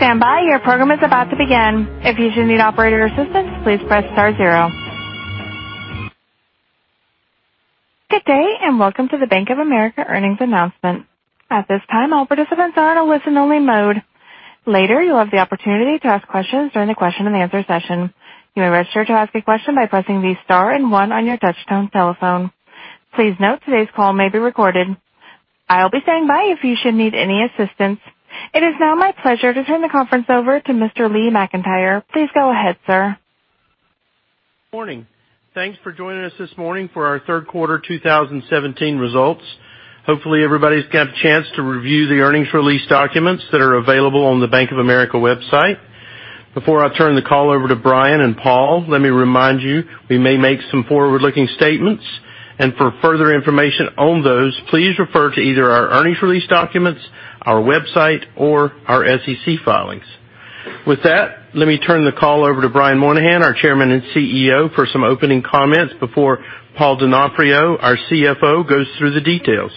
Please stand by. Your program is about to begin. If you should need operator assistance, please press star zero. Good day, welcome to the Bank of America earnings announcement. At this time, all participants are in a listen-only mode. Later, you'll have the opportunity to ask questions during the question-and-answer session. You may register to ask a question by pressing the star and one on your touchtone telephone. Please note today's call may be recorded. I'll be standing by if you should need any assistance. It is now my pleasure to turn the conference over to Mr. Lee McEntire. Please go ahead, sir. Morning. Thanks for joining us this morning for our third quarter 2017 results. Hopefully, everybody's got a chance to review the earnings release documents that are available on the Bank of America website. Before I turn the call over to Brian and Paul, let me remind you, we may make some forward-looking statements, and for further information on those, please refer to either our earnings release documents, our website, or our SEC filings. With that, let me turn the call over to Brian Moynihan, our Chairman and CEO, for some opening comments before Paul Donofrio, our CFO, goes through the details.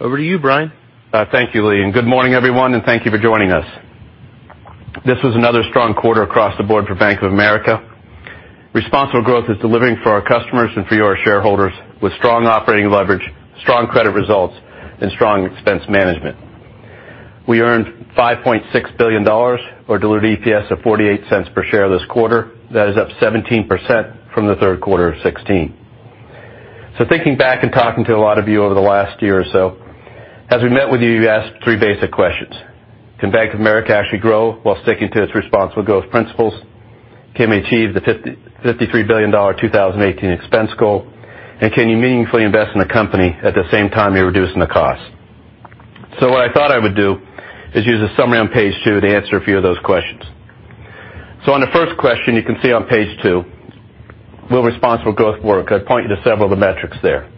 Over to you, Brian. Thank you, Lee, and good morning everyone, and thank you for joining us. This was another strong quarter across the board for Bank of America. Responsible growth is delivering for our customers and for your shareholders with strong operating leverage, strong credit results, and strong expense management. We earned $5.6 billion or diluted EPS of $0.48 per share this quarter. That is up 17% from the third quarter of 2016. Thinking back and talking to a lot of you over the last year or so, as we met with you asked three basic questions: Can Bank of America actually grow while sticking to its responsible growth principles? Can we achieve the $53 billion 2018 expense goal? Can you meaningfully invest in the company at the same time you're reducing the cost? What I thought I would do is use a summary on page two to answer a few of those questions. On the first question, you can see on page two, will responsible growth work? I point you to several of the metrics there.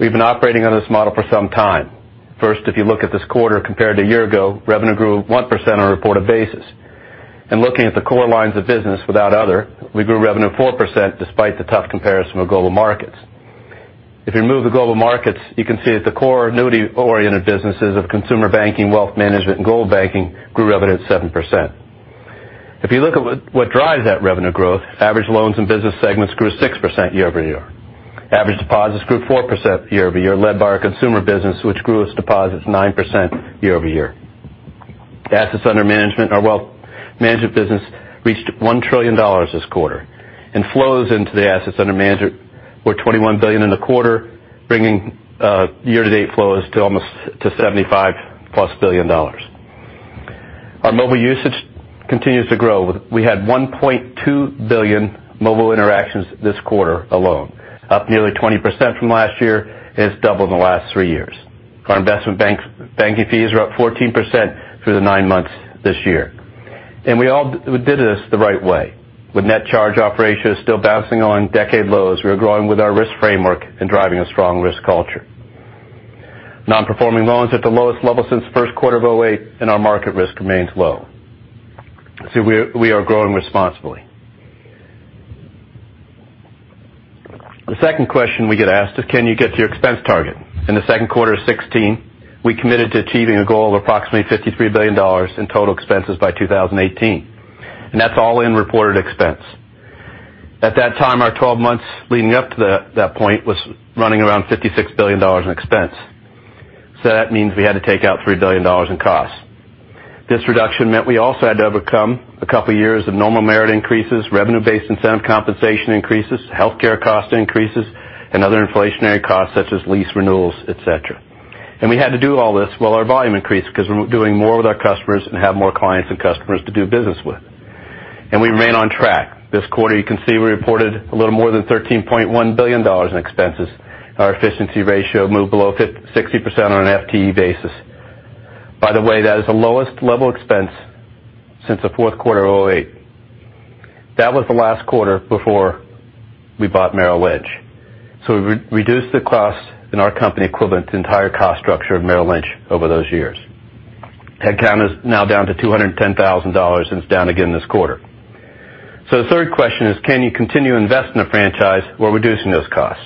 We've been operating on this model for some time. First, if you look at this quarter compared to a year ago, revenue grew 1% on a reported basis. Looking at the core lines of business without other, we grew revenue 4% despite the tough comparison with global markets. If you remove the global markets, you can see that the core annuity-oriented businesses of consumer banking, wealth management, and global banking grew revenue at 7%. If you look at what drives that revenue growth, average loans and business segments grew 6% year-over-year. Average deposits grew 4% year-over-year, led by our consumer business, which grew its deposits 9% year-over-year. Assets under management, our wealth management business, reached $1 trillion this quarter, and flows into the assets under management were $21 billion in the quarter, bringing year-to-date flows to almost $75+ billion. Our mobile usage continues to grow. We had 1.2 billion mobile interactions this quarter alone, up nearly 20% from last year, and it's double in the last three years. Our investment banking fees are up 14% through the nine months this year. We all did this the right way, with net charge-offs still bouncing on decade lows. We are growing with our risk framework and driving a strong risk culture. Non-Performing Loans at the lowest level since the first quarter of 2008, our market risk remains low. We are growing responsibly. The second question we get asked is, "Can you get to your expense target?" In the second quarter of 2016, we committed to achieving a goal of approximately $53 billion in total expenses by 2018. That's all in reported expense. At that time, our 12 months leading up to that point was running around $56 billion in expense. That means we had to take out $3 billion in costs. This reduction meant we also had to overcome a couple of years of normal merit increases, revenue-based incentive compensation increases, healthcare cost increases, and other inflationary costs such as lease renewals, et cetera. We had to do all this while our volume increased because we're doing more with our customers and have more clients and customers to do business with. We remain on track. This quarter, you can see we reported a little more than $13.1 billion in expenses. Our efficiency ratio moved below 60% on an FTE basis. By the way, that is the lowest level expense since the fourth quarter of 2008. That was the last quarter before we bought Merrill Lynch. We reduced the cost in our company equivalent to the entire cost structure of Merrill Lynch over those years. Headcount is now down to 210,000, and it's down again this quarter. The third question is, "Can you continue to invest in a franchise while reducing those costs?"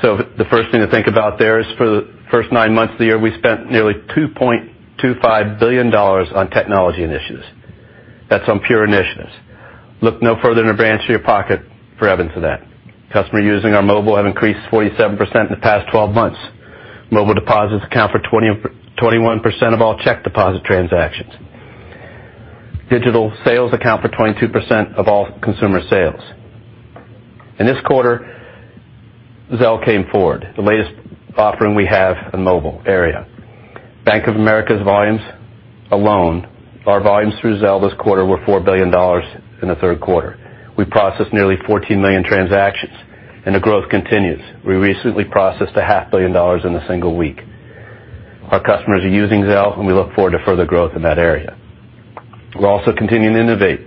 The first thing to think about there is for the first nine months of the year, we spent nearly $2.25 billion on technology initiatives. That's on pure initiatives. Look no further than the branch in your pocket for evidence of that. Customers using our mobile have increased 47% in the past 12 months. Mobile deposits account for 21% of all check deposit transactions. Digital sales account for 22% of all consumer sales. In this quarter, Zelle came forward, the latest offering we have in the mobile area. Bank of America's volumes alone, our volumes through Zelle this quarter were $4 billion in the third quarter. We processed nearly 14 million transactions, the growth continues. We recently processed a half billion dollars in a single week. Our customers are using Zelle, and we look forward to further growth in that area. We're also continuing to innovate.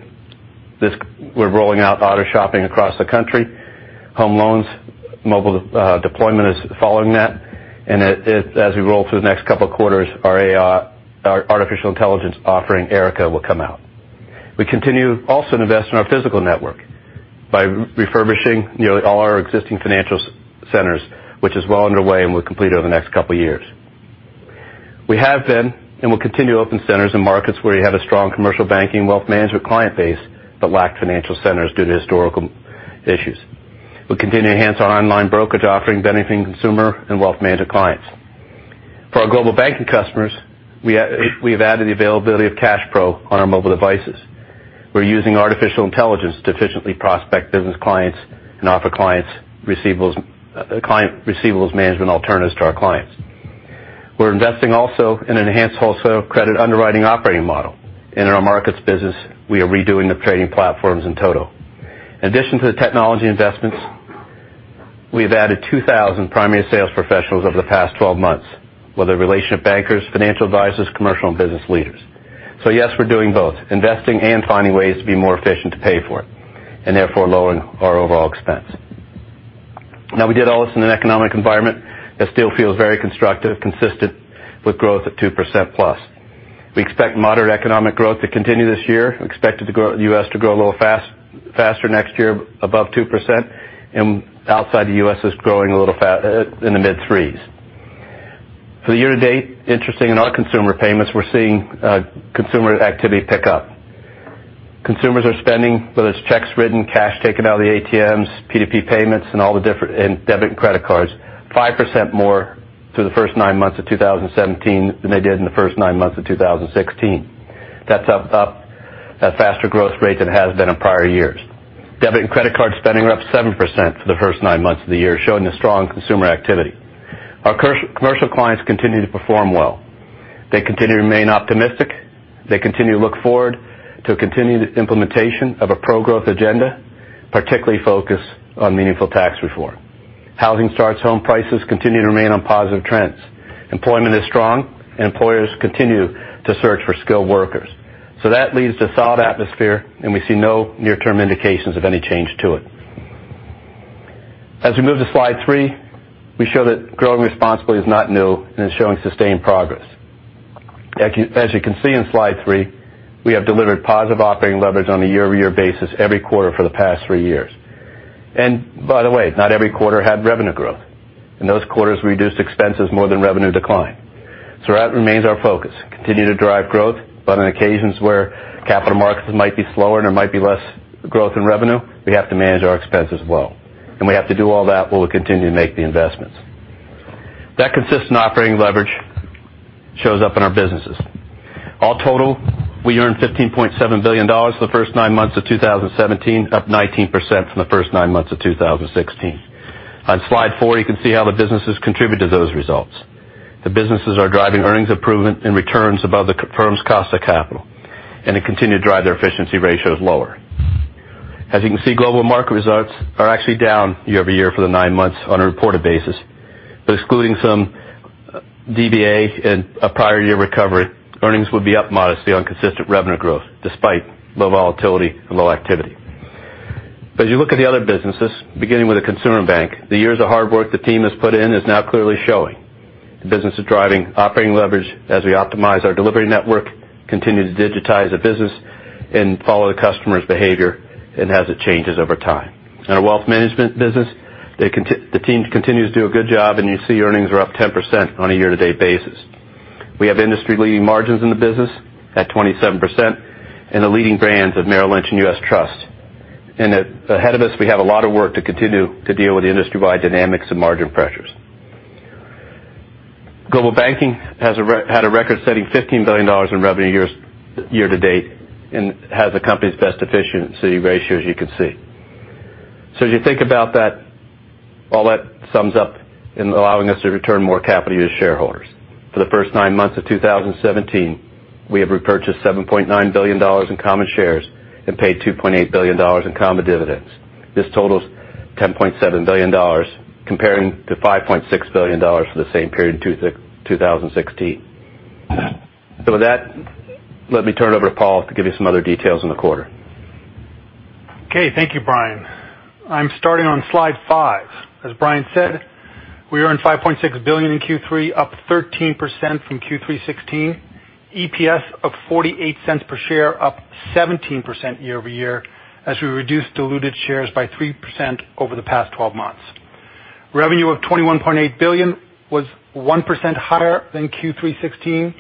We're rolling out auto shopping across the country. Home loans, mobile deployment is following that. As we roll through the next couple of quarters, our AI, our artificial intelligence offering, Erica, will come out. We continue also to invest in our physical network by refurbishing nearly all our existing financial centers, which is well underway and will be completed over the next couple of years. We have been and will continue to open centers in markets where we have a strong commercial banking wealth management client base but lack financial centers due to historical issues. We continue to enhance our online brokerage offering, benefiting consumer and wealth management clients. For our global banking customers, we've added the availability of CashPro on our mobile devices. We're using artificial intelligence to efficiently prospect business clients and offer client receivables management alternatives to our clients. We're investing also in enhanced wholesale credit underwriting operating model. In our markets business, we are redoing the trading platforms in total. In addition to the technology investments, we've added 2,000 primary sales professionals over the past 12 months, whether relationship bankers, financial advisors, commercial and business leaders. Yes, we're doing both investing and finding ways to be more efficient to pay for it, therefore, lowering our overall expense. We did all this in an economic environment that still feels very constructive, consistent with growth at 2%+. We expect moderate economic growth to continue this year. We expect the U.S. to grow a little faster next year, above 2%, and outside the U.S. is growing a little fast, in the mid threes. For the year to date, interesting in our consumer payments, we're seeing consumer activity pick up. Consumers are spending, whether it's checks written, cash taken out of the ATMs, P2P payments, and all the different debit and credit cards, 5% more through the first nine months of 2017 than they did in the first nine months of 2016. That's up a faster growth rate than it has been in prior years. Debit and credit card spending are up 7% for the first nine months of the year, showing a strong consumer activity. Our commercial clients continue to perform well. They continue to remain optimistic. They continue to look forward to a continued implementation of a pro-growth agenda, particularly focused on meaningful tax reform. Housing starts, home prices continue to remain on positive trends. Employment is strong and employers continue to search for skilled workers. That leaves a solid atmosphere and we see no near-term indications of any change to it. As we move to slide three, we show that growing responsibly is not new and is showing sustained progress. As you can see in slide three, we have delivered positive operating leverage on a year-over-year basis every quarter for the past three years. By the way, not every quarter had revenue growth. In those quarters, we reduced expenses more than revenue decline. That remains our focus, continue to drive growth, but on occasions where capital markets might be slower and there might be less growth in revenue, we have to manage our expenses well. We have to do all that while we continue to make the investments. That consistent operating leverage shows up in our businesses. All total, we earned $15.7 billion for the first nine months of 2017, up 19% from the first nine months of 2016. On slide four, you can see how the businesses contribute to those results. The businesses are driving earnings improvement and returns above the firm's cost of capital, and they continue to drive their efficiency ratios lower. As you can see, global market results are actually down year-over-year for the nine months on a reported basis, but excluding some DVA and a prior year recovery, earnings would be up modestly on consistent revenue growth despite low volatility and low activity. As you look at the other businesses, beginning with the Consumer Bank, the years of hard work the team has put in is now clearly showing. The business is driving operating leverage as we optimize our delivery network, continue to digitize the business, and follow the customer's behavior and as it changes over time. In our Wealth Management business, the team continues to do a good job, and you see earnings are up 10% on a year-to-date basis. We have industry-leading margins in the business at 27% and the leading brands of Merrill Lynch and U.S. Trust. Ahead of us, we have a lot of work to continue to deal with the industry-wide dynamics and margin pressures. Global Banking had a record-setting $15 billion in revenue year-to-date and has the company's best efficiency ratio, as you can see. As you think about that, all that sums up in allowing us to return more capital to shareholders. For the first nine months of 2017, we have repurchased $7.9 billion in common shares and paid $2.8 billion in common dividends. This totals $10.7 billion comparing to $5.6 billion for the same period in 2016. With that, let me turn it over to Paul to give you some other details on the quarter. Okay. Thank you, Brian. I'm starting on slide five. As Brian said, we earned $5.6 billion in Q3, up 13% from Q3 2016. EPS of $0.48 per share, up 17% year-over-year as we reduced diluted shares by 3% over the past 12 months. Revenue of $21.8 billion was 1% higher than Q3 2016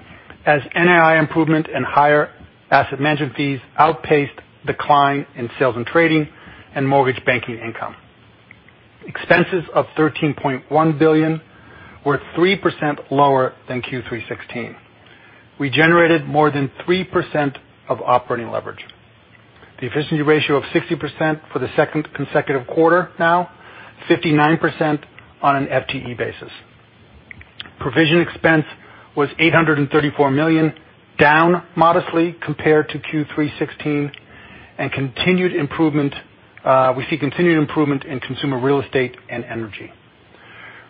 as NII improvement and higher asset management fees outpaced decline in Sales and Trading and Mortgage Banking income. Expenses of $13.1 billion were 3% lower than Q3 2016. We generated more than 3% of operating leverage. The efficiency ratio of 60% for the second consecutive quarter now, 59% on an FTE basis. Provision expense was $834 million, down modestly compared to Q3 2016, and we see continued improvement in Consumer Real Estate and energy.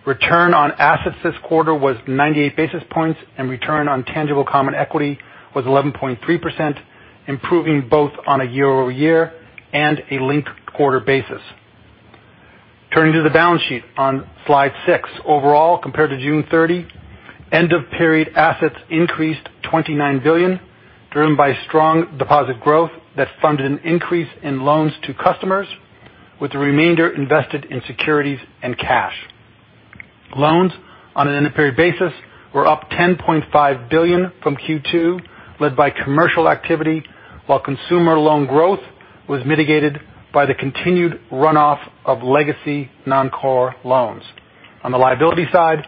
Return on assets this quarter was 98 basis points, and return on tangible common equity was 11.3%, improving both on a year-over-year and a linked quarter basis. Turning to the balance sheet on Slide 6. Overall, compared to June 30, end of period assets increased $29 billion, driven by strong deposit growth that funded an increase in loans to customers with the remainder invested in securities and cash. Loans on an end of period basis were up $10.5 billion from Q2, led by commercial activity, while consumer loan growth was mitigated by the continued runoff of legacy non-core loans. On the liability side,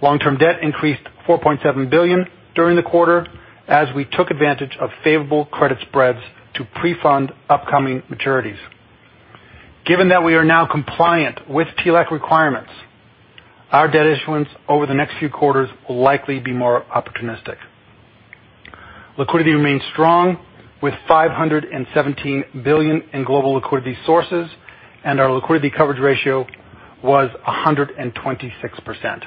long-term debt increased $4.7 billion during the quarter as we took advantage of favorable credit spreads to pre-fund upcoming maturities. Given that we are now compliant with TLAC requirements, our debt issuance over the next few quarters will likely be more opportunistic. Liquidity remains strong with $517 billion in global liquidity sources, and our liquidity coverage ratio was 126%.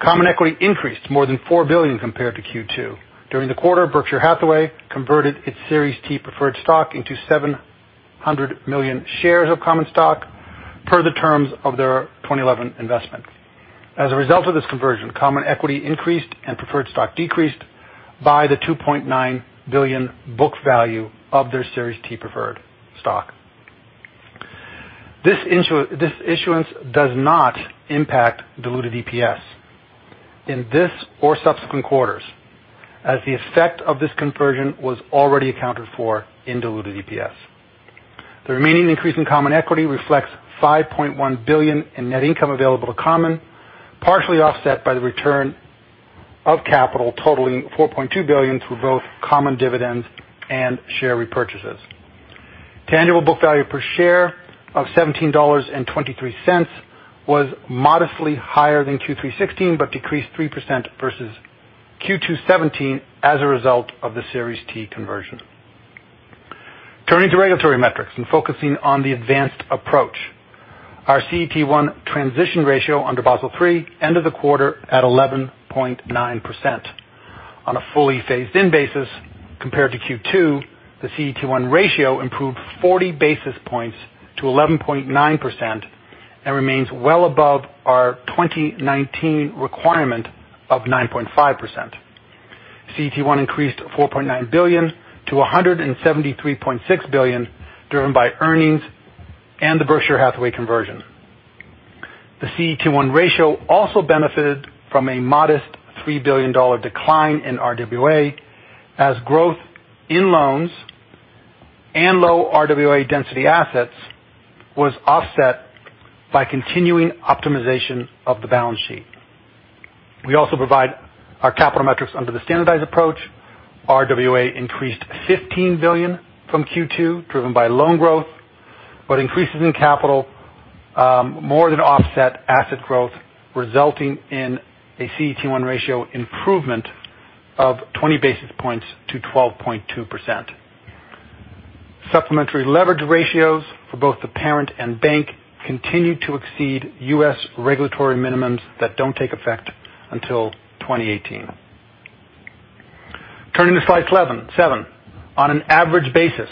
Common equity increased more than $4 billion compared to Q2. During the quarter, Berkshire Hathaway converted its Series T preferred stock into 700 million shares of common stock per the terms of their 2011 investment. As a result of this conversion, common equity increased and preferred stock decreased by the $2.9 billion book value of their Series T preferred stock. This issuance does not impact diluted EPS in this or subsequent quarters, as the effect of this conversion was already accounted for in diluted EPS. The remaining increase in common equity reflects $5.1 billion in net income available to common, partially offset by the return of capital totaling $4.2 billion through both common dividends and share repurchases. Tangible book value per share of $17.23 was modestly higher than Q3 2016 but decreased 3% versus Q2 2017 as a result of the Series T conversion. Turning to regulatory metrics and focusing on the advanced approach. Our CET1 transition ratio under Basel III end of the quarter at 11.9%. On a fully phased-in basis compared to Q2, the CET1 ratio improved 40 basis points to 11.9% and remains well above our 2019 requirement of 9.5%. CET1 increased $4.9 billion to $173.6 billion, driven by earnings and the Berkshire Hathaway conversion. The CET1 ratio also benefited from a modest $3 billion decline in RWA as growth in loans and low RWA density assets was offset by continuing optimization of the balance sheet. We also provide our capital metrics under the standardized approach. RWA increased $15 billion from Q2, driven by loan growth, but increases in capital more than offset asset growth, resulting in a CET1 ratio improvement of 20 basis points to 12.2%. Supplementary leverage ratios for both the parent and bank continue to exceed U.S. regulatory minimums that don't take effect until 2018. Turning to Slide 7. On an average basis,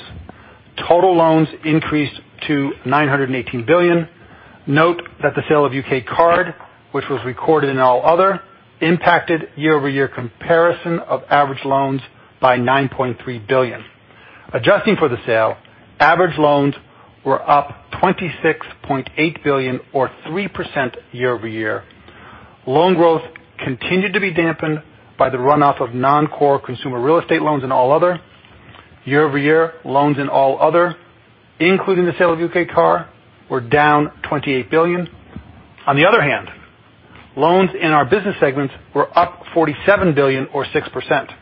total loans increased to $918 billion. Note that the sale of UK Card, which was recorded in all other, impacted year-over-year comparison of average loans by $9.3 billion. Adjusting for the sale, average loans were up $26.8 billion or 3% year-over-year. Loan growth continued to be dampened by the runoff of non-core consumer real estate loans in all other. Year-over-year loans in all other, including the sale of UK Card, were down $28 billion. On the other hand, loans in our business segments were up $47 billion or 6%.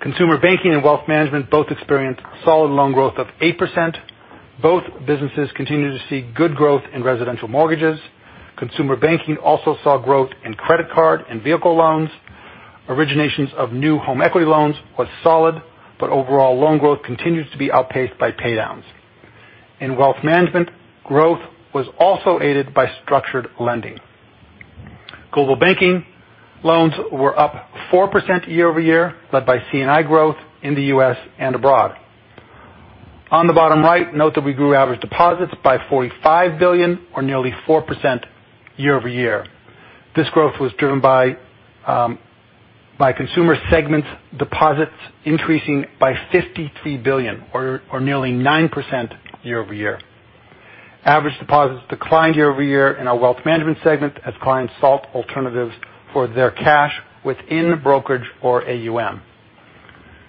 Consumer banking and wealth management both experienced solid loan growth of 8%. Both businesses continue to see good growth in residential mortgages. Consumer banking also saw growth in credit card and vehicle loans. Originations of new home equity loans was solid, but overall loan growth continues to be outpaced by paydowns. In wealth management, growth was also aided by structured lending. Global banking loans were up 4% year-over-year, led by C&I growth in the U.S. and abroad. On the bottom right, note that we grew average deposits by $45 billion or nearly 4% year-over-year. This growth was driven by consumer segments deposits increasing by $53 billion or nearly 9% year-over-year. Average deposits declined year-over-year in our wealth management segment as clients sought alternatives for their cash within brokerage or AUM.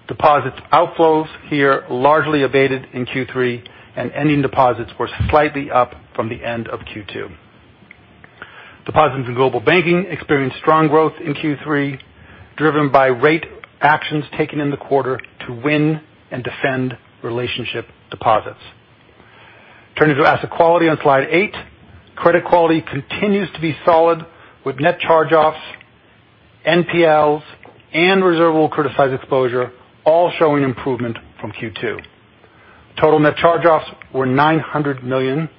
Deposit outflows here largely abated in Q3, and ending deposits were slightly up from the end of Q2. Deposits in global banking experienced strong growth in Q3, driven by rate actions taken in the quarter to win and defend relationship deposits. Turning to asset quality on Slide 8. Credit quality continues to be solid with net charge-offs, NPLs, and reserve critical asset exposure all showing improvement from Q2. Total net charge-offs were $900 million.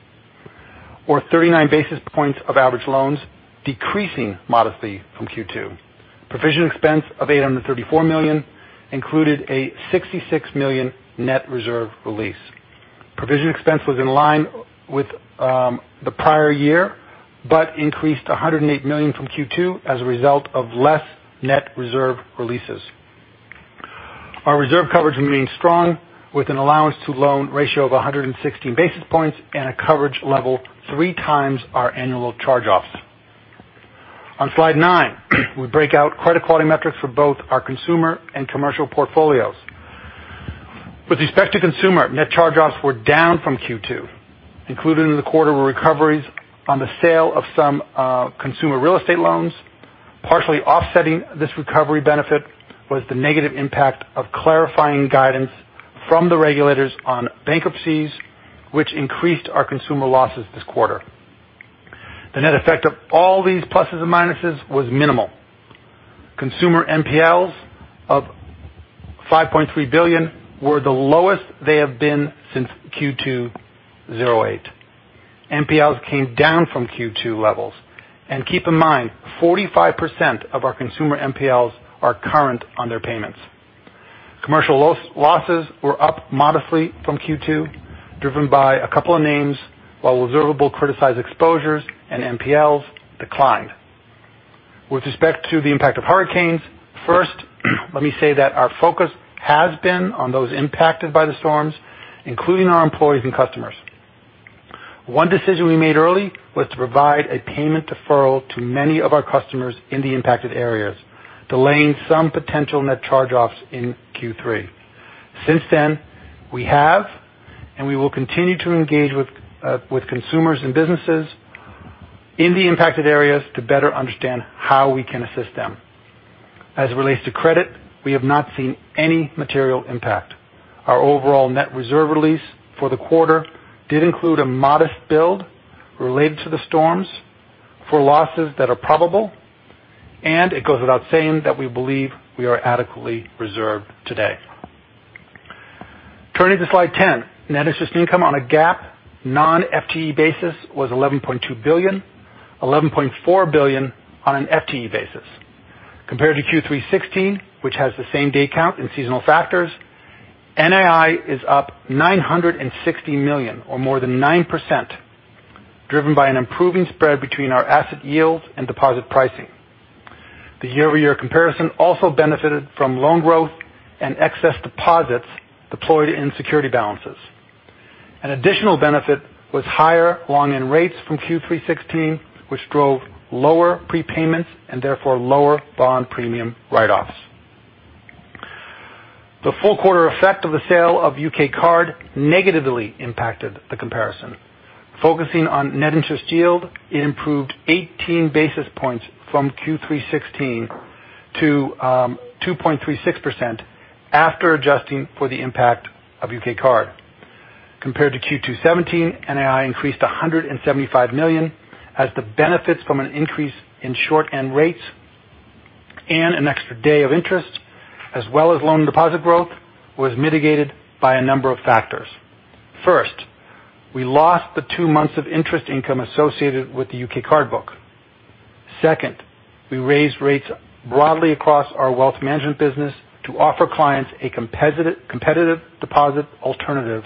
Or 39 basis points of average loans decreasing modestly from Q2. Provision expense of $834 million included a $66 million net reserve release. Provision expense was in line with the prior year, but increased $108 million from Q2 as a result of less net reserve releases. Our reserve coverage remains strong, with an allowance to loan ratio of 116 basis points and a coverage level three times our annual charge-offs. On slide nine, we break out credit quality metrics for both our consumer and commercial portfolios. With respect to consumer, net charge-offs were down from Q2. Included in the quarter were recoveries on the sale of some consumer real estate loans. Partially offsetting this recovery benefit was the negative impact of clarifying guidance from the regulators on bankruptcies, which increased our consumer losses this quarter. The net effect of all these pluses and minuses was minimal. Consumer NPLs of $5.3 billion were the lowest they have been since Q2 2008. NPLs came down from Q2 levels. Keep in mind, 45% of our consumer NPLs are current on their payments. Commercial losses were up modestly from Q2, driven by a couple of names while observable criticized exposures and NPLs declined. With respect to the impact of hurricanes, first, let me say that our focus has been on those impacted by the storms, including our employees and customers. One decision we made early was to provide a payment deferral to many of our customers in the impacted areas, delaying some potential net charge-offs in Q3. Since then, we have and we will continue to engage with consumers and businesses in the impacted areas to better understand how we can assist them. As it relates to credit, we have not seen any material impact. Our overall net reserve release for the quarter did include a modest build related to the storms for losses that are probable, and it goes without saying that we believe we are adequately reserved today. Turning to slide 10. Net interest income on a GAAP non-FTE basis was $11.2 billion, $11.4 billion on an FTE basis. Compared to Q3 2016, which has the same day count and seasonal factors, NII is up $960 million or more than 9%, driven by an improving spread between our asset yields and deposit pricing. The year-over-year comparison also benefited from loan growth and excess deposits deployed in security balances. An additional benefit was higher long end rates from Q3 2016, which drove lower prepayments and therefore lower bond premium write-offs. The full quarter effect of the sale of UK Card negatively impacted the comparison. Focusing on net interest yield, it improved 18 basis points from Q3 2016 to 2.36% after adjusting for the impact of UK Card. Compared to Q2 2017, NII increased to $175 million as the benefits from an increase in short end rates and an extra day of interest, as well as loan deposit growth, was mitigated by a number of factors. First, we lost the two months of interest income associated with the UK Card book. Second, we raised rates broadly across our wealth management business to offer clients a competitive deposit alternative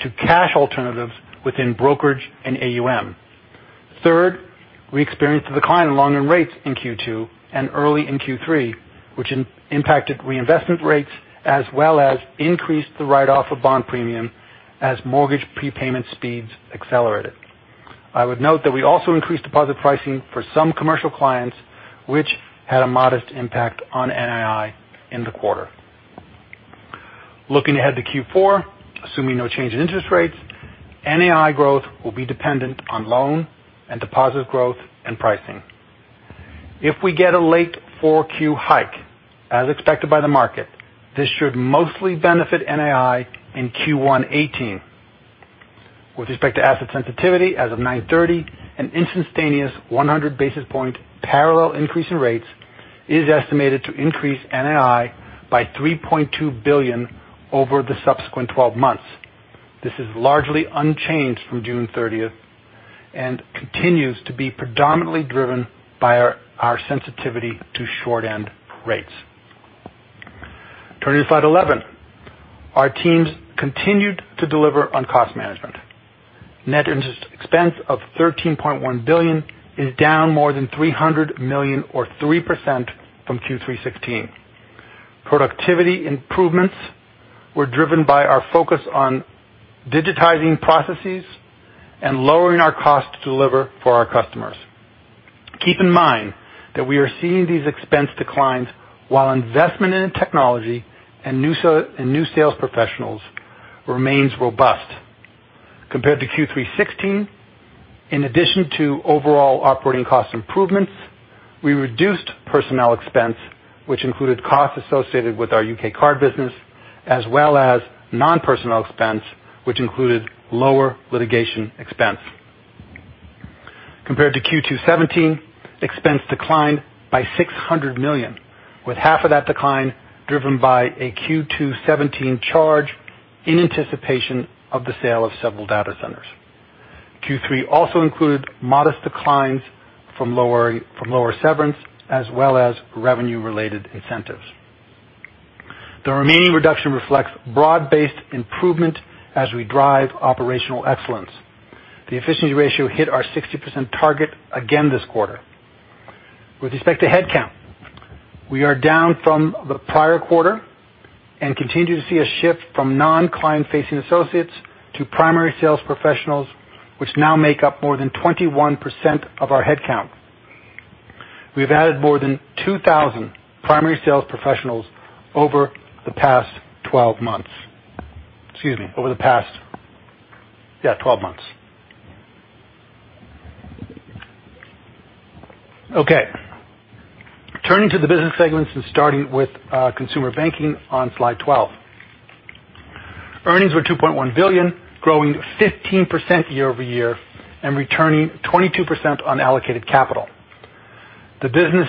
to cash alternatives within brokerage and AUM. Third, we experienced a decline in long end rates in Q2 and early in Q3, which impacted reinvestment rates as well as increased the write-off of bond premium as mortgage prepayment speeds accelerated. I would note that we also increased deposit pricing for some commercial clients, which had a modest impact on NII in the quarter. Looking ahead to Q4, assuming no change in interest rates, NII growth will be dependent on loan and deposit growth and pricing. If we get a late Q4 hike, as expected by the market, this should mostly benefit NII in Q1 2018. With respect to asset sensitivity as of 9/30, an instantaneous 100 basis point parallel increase in rates is estimated to increase NII by $3.2 billion over the subsequent 12 months. This is largely unchanged from June 30th and continues to be predominantly driven by our sensitivity to short end rates. Turning to slide 11. Our teams continued to deliver on cost management. Net interest expense of $13.1 billion is down more than $300 million or 3% from Q3 2016. Productivity improvements were driven by our focus on digitizing processes and lowering our cost to deliver for our customers. Keep in mind that we are seeing these expense declines while investment in technology and new sales professionals remains robust. Compared to Q3 2016, in addition to overall operating cost improvements, we reduced personnel expense, which included costs associated with our UK Card business, as well as non-personnel expense, which included lower litigation expense. Compared to Q2 2017, expense declined by $600 million, with half of that decline driven by a Q2 2017 charge in anticipation of the sale of several data centers. Q3 also included modest declines from lower severance as well as revenue-related incentives. The remaining reduction reflects broad-based improvement as we drive operational excellence. The efficiency ratio hit our 60% target again this quarter. With respect to headcount, we are down from the prior quarter and continue to see a shift from non-client facing associates to primary sales professionals, which now make up more than 21% of our headcount. We've added more than 2,000 primary sales professionals over the past 12 months. Excuse me, over the past, yeah, 12 months. Okay. Turning to the business segments and starting with consumer banking on slide 12. Earnings were $2.1 billion, growing 15% year-over-year and returning 22% on allocated capital. The business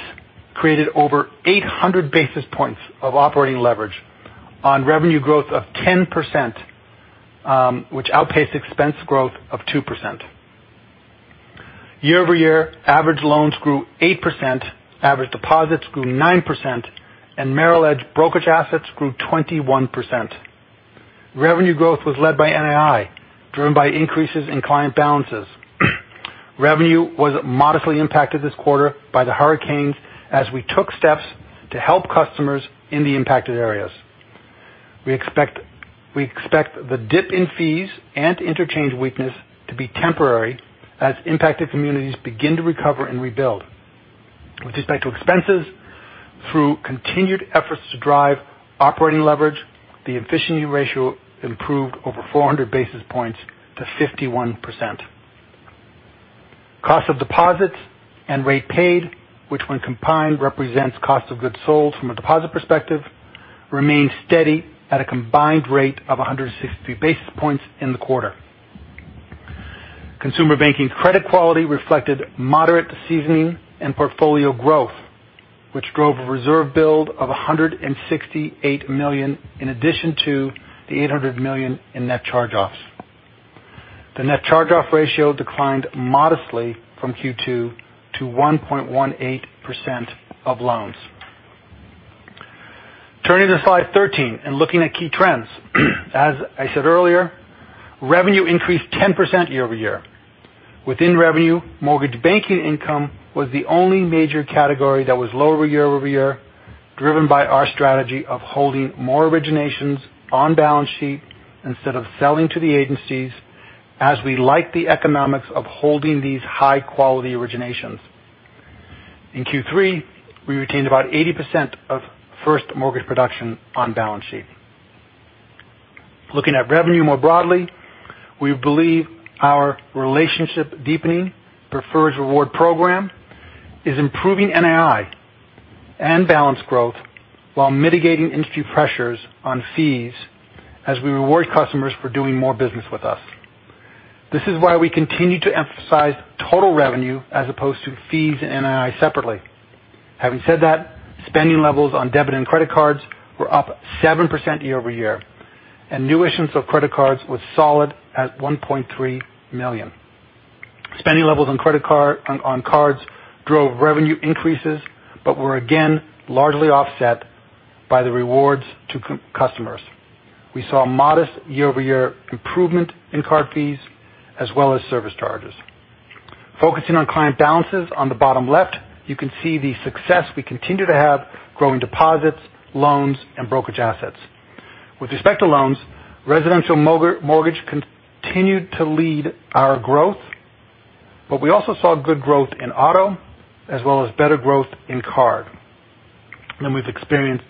created over 800 basis points of operating leverage on revenue growth of 10%, which outpaced expense growth of 2%. Year-over-year, average loans grew 8%, average deposits grew 9%, and Merrill Edge brokerage assets grew 21%. Revenue growth was led by NII, driven by increases in client balances. Revenue was modestly impacted this quarter by the hurricanes as we took steps to help customers in the impacted areas. We expect the dip in fees and interchange weakness to be temporary as impacted communities begin to recover and rebuild. With respect to expenses, through continued efforts to drive operating leverage, the efficiency ratio improved over 400 basis points to 51%. Cost of deposits and rate paid, which when combined represents cost of goods sold from a deposit perspective, remained steady at a combined rate of 163 basis points in the quarter. Consumer banking credit quality reflected moderate seasoning and portfolio growth, which drove a reserve build of $168 million in addition to the $800 million in Net Charge-Offs. The Net Charge-Off ratio declined modestly from Q2 to 1.18% of loans. Turning to slide 13 and looking at key trends. As I said earlier, revenue increased 10% year-over-year. Within revenue, mortgage banking income was the only major category that was lower year-over-year, driven by our strategy of holding more originations on balance sheet instead of selling to the agencies as we like the economics of holding these high-quality originations. In Q3, we retained about 80% of first mortgage production on balance sheet. Looking at revenue more broadly, we believe our relationship deepening preferred reward program is improving NII and balance growth while mitigating industry pressures on fees as we reward customers for doing more business with us. This is why we continue to emphasize total revenue as opposed to fees and NII separately. Having said that, spending levels on debit and credit cards were up 7% year-over-year, and new issuance of credit cards was solid at $1.3 million. Spending levels on cards drove revenue increases but were again largely offset by the rewards to customers. We saw modest year-over-year improvement in card fees as well as service charges. Focusing on client balances on the bottom left, you can see the success we continue to have growing deposits, loans, and brokerage assets. With respect to loans, residential mortgage continued to lead our growth, but we also saw good growth in auto as well as better growth in card than we've experienced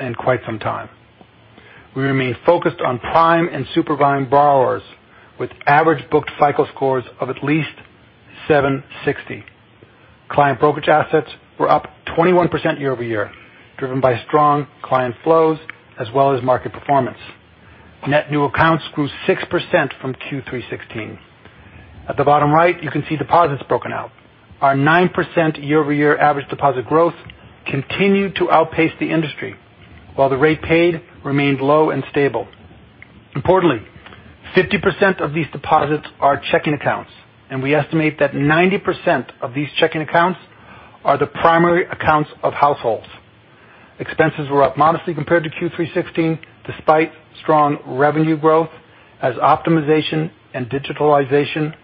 in quite some time. We remain focused on prime and super prime borrowers with average booked FICO scores of at least 760. Client brokerage assets were up 21% year-over-year, driven by strong client flows as well as market performance. Net new accounts grew 6% from Q3 2016. At the bottom right, you can see deposits broken out. Our 9% year-over-year average deposit growth continued to outpace the industry, while the rate paid remained low and stable. Importantly, 50% of these deposits are checking accounts, and we estimate that 90% of these checking accounts are the primary accounts of households. Expenses were up modestly compared to Q3 2016 despite strong revenue growth as optimization and digitalization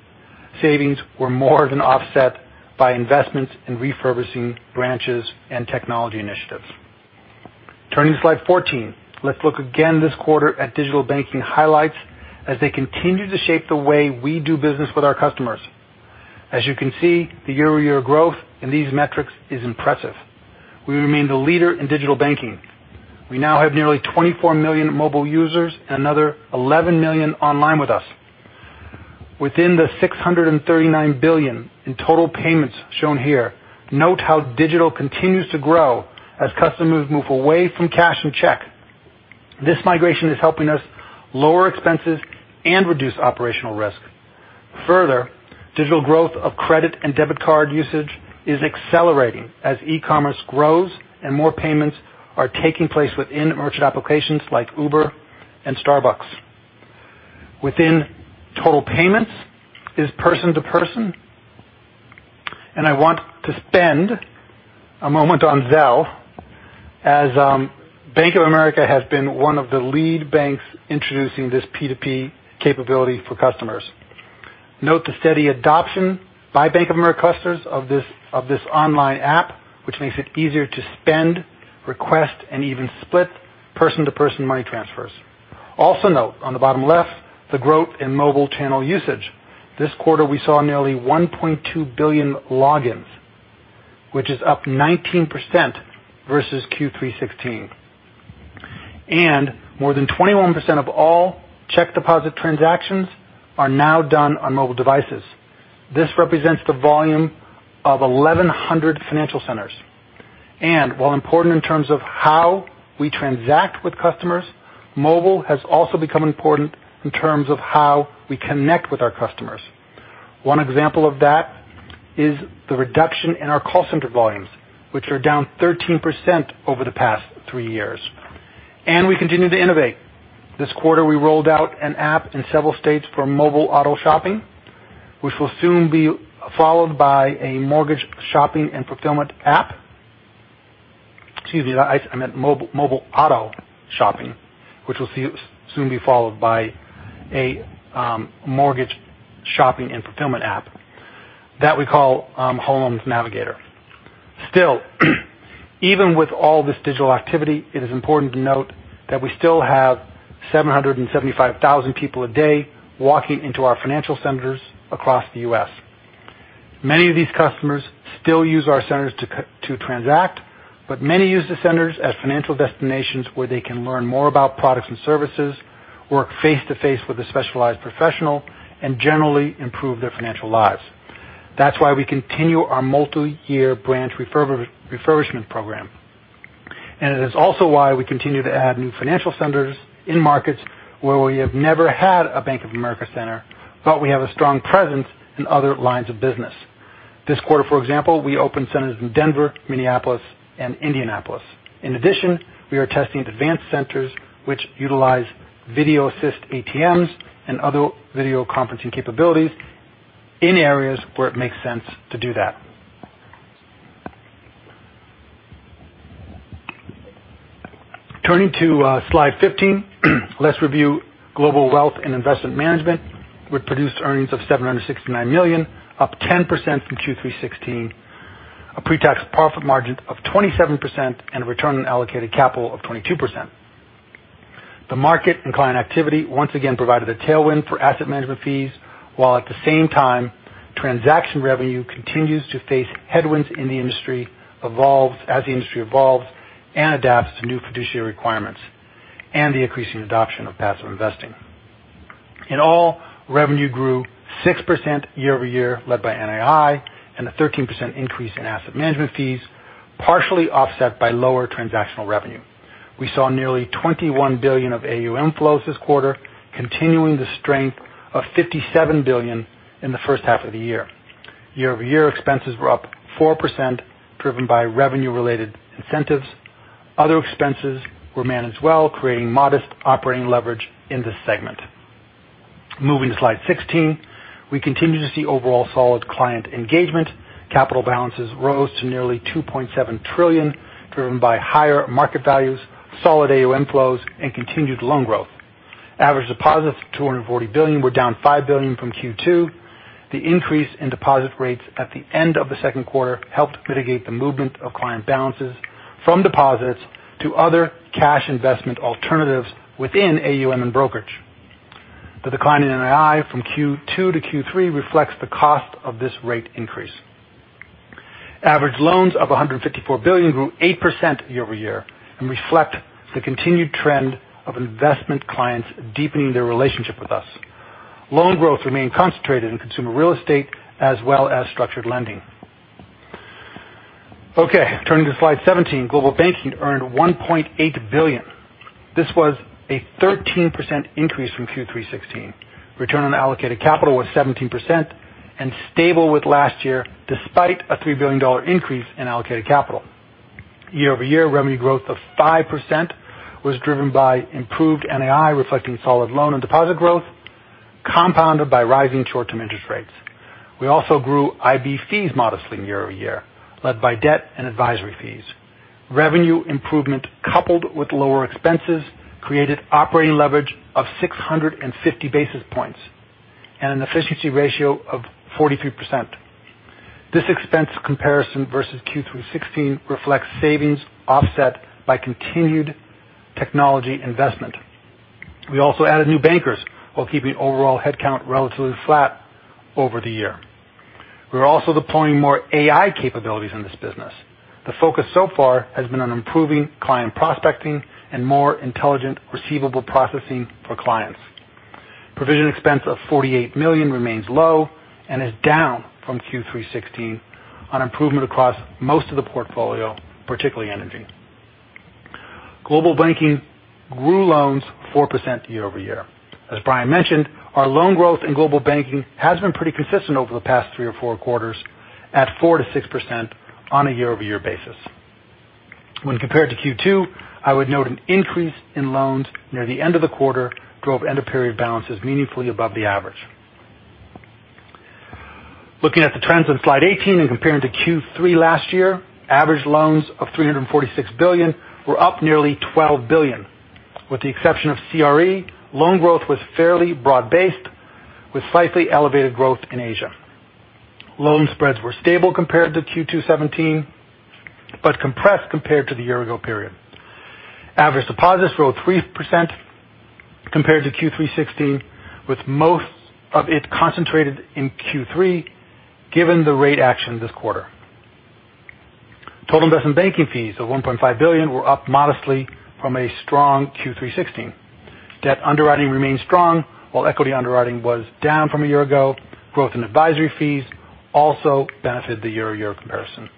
savings were more than offset by investments in refurbishing branches and technology initiatives. Turning to slide 14, let's look again this quarter at digital banking highlights as they continue to shape the way we do business with our customers. As you can see, the year-over-year growth in these metrics is impressive. We remain the leader in digital banking. We now have nearly $24 million mobile users and another $11 million online with us. Within the $639 billion in total payments shown here, note how digital continues to grow as customers move away from cash and check. This migration is helping us lower expenses and reduce operational risk. Further, digital growth of credit and debit card usage is accelerating as e-commerce grows and more payments are taking place within merchant applications like Uber and Starbucks. Within total payments is person-to-person. I want to spend a moment on Zelle as Bank of America has been one of the lead banks introducing this P2P capability for customers. Note the steady adoption by Bank of America customers of this online app, which makes it easier to spend, request, and even split person-to-person money transfers. Also note on the bottom left the growth in mobile channel usage. This quarter, we saw nearly 1.2 billion logins, which is up 19% versus Q3 2016. More than 21% of all check deposit transactions are now done on mobile devices. This represents the volume of 1,100 financial centers. While important in terms of how we transact with customers, mobile has also become important in terms of how we connect with our customers. One example of that is the reduction in our call center volumes, which are down 13% over the past three years. We continue to innovate. This quarter, we rolled out an app in several states for mobile auto shopping, which will soon be followed by a mortgage shopping and fulfillment app. Excuse me, I meant mobile auto shopping, which will soon be followed by a mortgage shopping and fulfillment app that we call Home Loan Navigator. Still, even with all this digital activity, it is important to note that we still have 775,000 people a day walking into our financial centers across the U.S. Many of these customers still use our centers to transact, but many use the centers as financial destinations where they can learn more about products and services, work face-to-face with a specialized professional, and generally improve their financial lives. That's why we continue our multi-year branch refurbishment program. It is also why we continue to add new financial centers in markets where we have never had a Bank of America center, but we have a strong presence in other lines of business. This quarter, for example, we opened centers in Denver, Minneapolis, and Indianapolis. In addition, we are testing advanced centers which utilize video assist ATMs and other video conferencing capabilities in areas where it makes sense to do that. Turning to slide 15, let's review Global Wealth & Investment Management. We produced earnings of $769 million, up 10% from Q3 2016, a pre-tax profit margin of 27%, and a return on allocated capital of 22%. The market and client activity once again provided a tailwind for asset management fees, while at the same time, transaction revenue continues to face headwinds in the industry, as the industry evolves and adapts to new fiduciary requirements and the increasing adoption of passive investing. In all, revenue grew 6% year-over-year, led by NII and a 13% increase in asset management fees, partially offset by lower transactional revenue. We saw nearly $21 billion of AUM inflows this quarter, continuing the strength of $57 billion in the first half of the year. Year-over-year expenses were up 4%, driven by revenue-related incentives. Other expenses were managed well, creating modest operating leverage in this segment. Moving to slide 16. We continue to see overall solid client engagement. Capital balances rose to nearly $2.7 trillion, driven by higher market values, solid AUM flows, and continued loan growth. Average deposits of $240 billion were down $5 billion from Q2. The increase in deposit rates at the end of the second quarter helped mitigate the movement of client balances from deposits to other cash investment alternatives within AUM and brokerage. The decline in NII from Q2 to Q3 reflects the cost of this rate increase. Average loans of $154 billion grew 8% year-over-year and reflect the continued trend of investment clients deepening their relationship with us. Loan growth remained concentrated in consumer real estate as well as structured lending. Turning to slide 17. Global banking earned $1.8 billion. This was a 13% increase from Q3 2016. Return on allocated capital was 17% and stable with last year, despite a $3 billion increase in allocated capital. Year-over-year, revenue growth of 5% was driven by improved NII, reflecting solid loan and deposit growth, compounded by rising short-term interest rates. We also grew IB fees modestly year-over-year, led by debt and advisory fees. Revenue improvement coupled with lower expenses created operating leverage of 650 basis points and an efficiency ratio of 43%. This expense comparison versus Q3 2016 reflects savings offset by continued technology investment. We also added new bankers while keeping overall headcount relatively flat over the year. We're also deploying more AI capabilities in this business. The focus so far has been on improving client prospecting and more intelligent receivable processing for clients. Provision expense of $48 million remains low and is down from Q3 2016 on improvement across most of the portfolio, particularly energy. Global banking grew loans 4% year-over-year. As Brian mentioned, our loan growth in global banking has been pretty consistent over the past three or four quarters at 4%-6% on a year-over-year basis. When compared to Q2, I would note an increase in loans near the end of the quarter drove end of period balances meaningfully above the average. Looking at the trends on slide 18 and comparing to Q3 last year, average loans of $346 billion were up nearly $12 billion. With the exception of CRE, loan growth was fairly broad-based with slightly elevated growth in Asia. Loan spreads were stable compared to Q2 2017, but compressed compared to the year-ago period. Average deposits rose 3% compared to Q3 2016, with most of it concentrated in Q3, given the rate action this quarter. Total investment banking fees of $1.5 billion were up modestly from a strong Q3 2016. Debt underwriting remained strong while equity underwriting was down from a year ago. Growth in advisory fees also benefited the year-over-year comparison.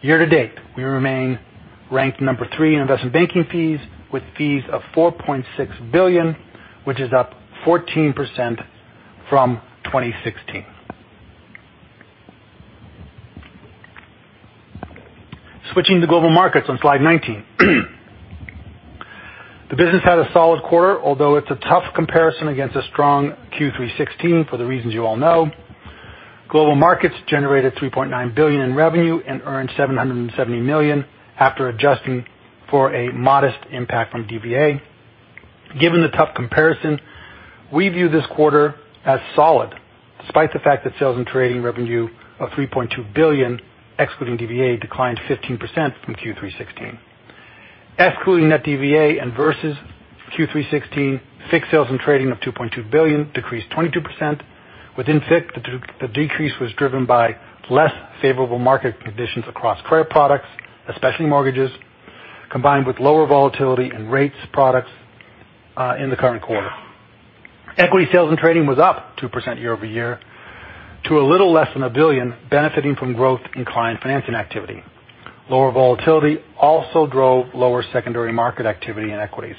Year to date, we remain ranked number three in investment banking fees with fees of $4.6 billion, which is up 14% from 2016. Switching to Global Markets on slide 19. The business had a solid quarter, although it's a tough comparison against a strong Q3 2016 for the reasons you all know. Global Markets generated $3.9 billion in revenue and earned $770 million after adjusting for a modest impact from DVA. Given the tough comparison, we view this quarter as solid despite the fact that sales and trading revenue of $3.2 billion, excluding DVA, declined 15% from Q3 2016. Excluding that DVA and versus Q3 2016, FICC sales and trading of $2.2 billion decreased 22%. Within FICC, the decrease was driven by less favorable market conditions across credit products, especially mortgages, combined with lower volatility and rates products, in the current quarter. Equity sales and trading was up 2% year-over-year to a little less than $1 billion, benefiting from growth in client financing activity. Lower volatility also drove lower secondary market activity in equities.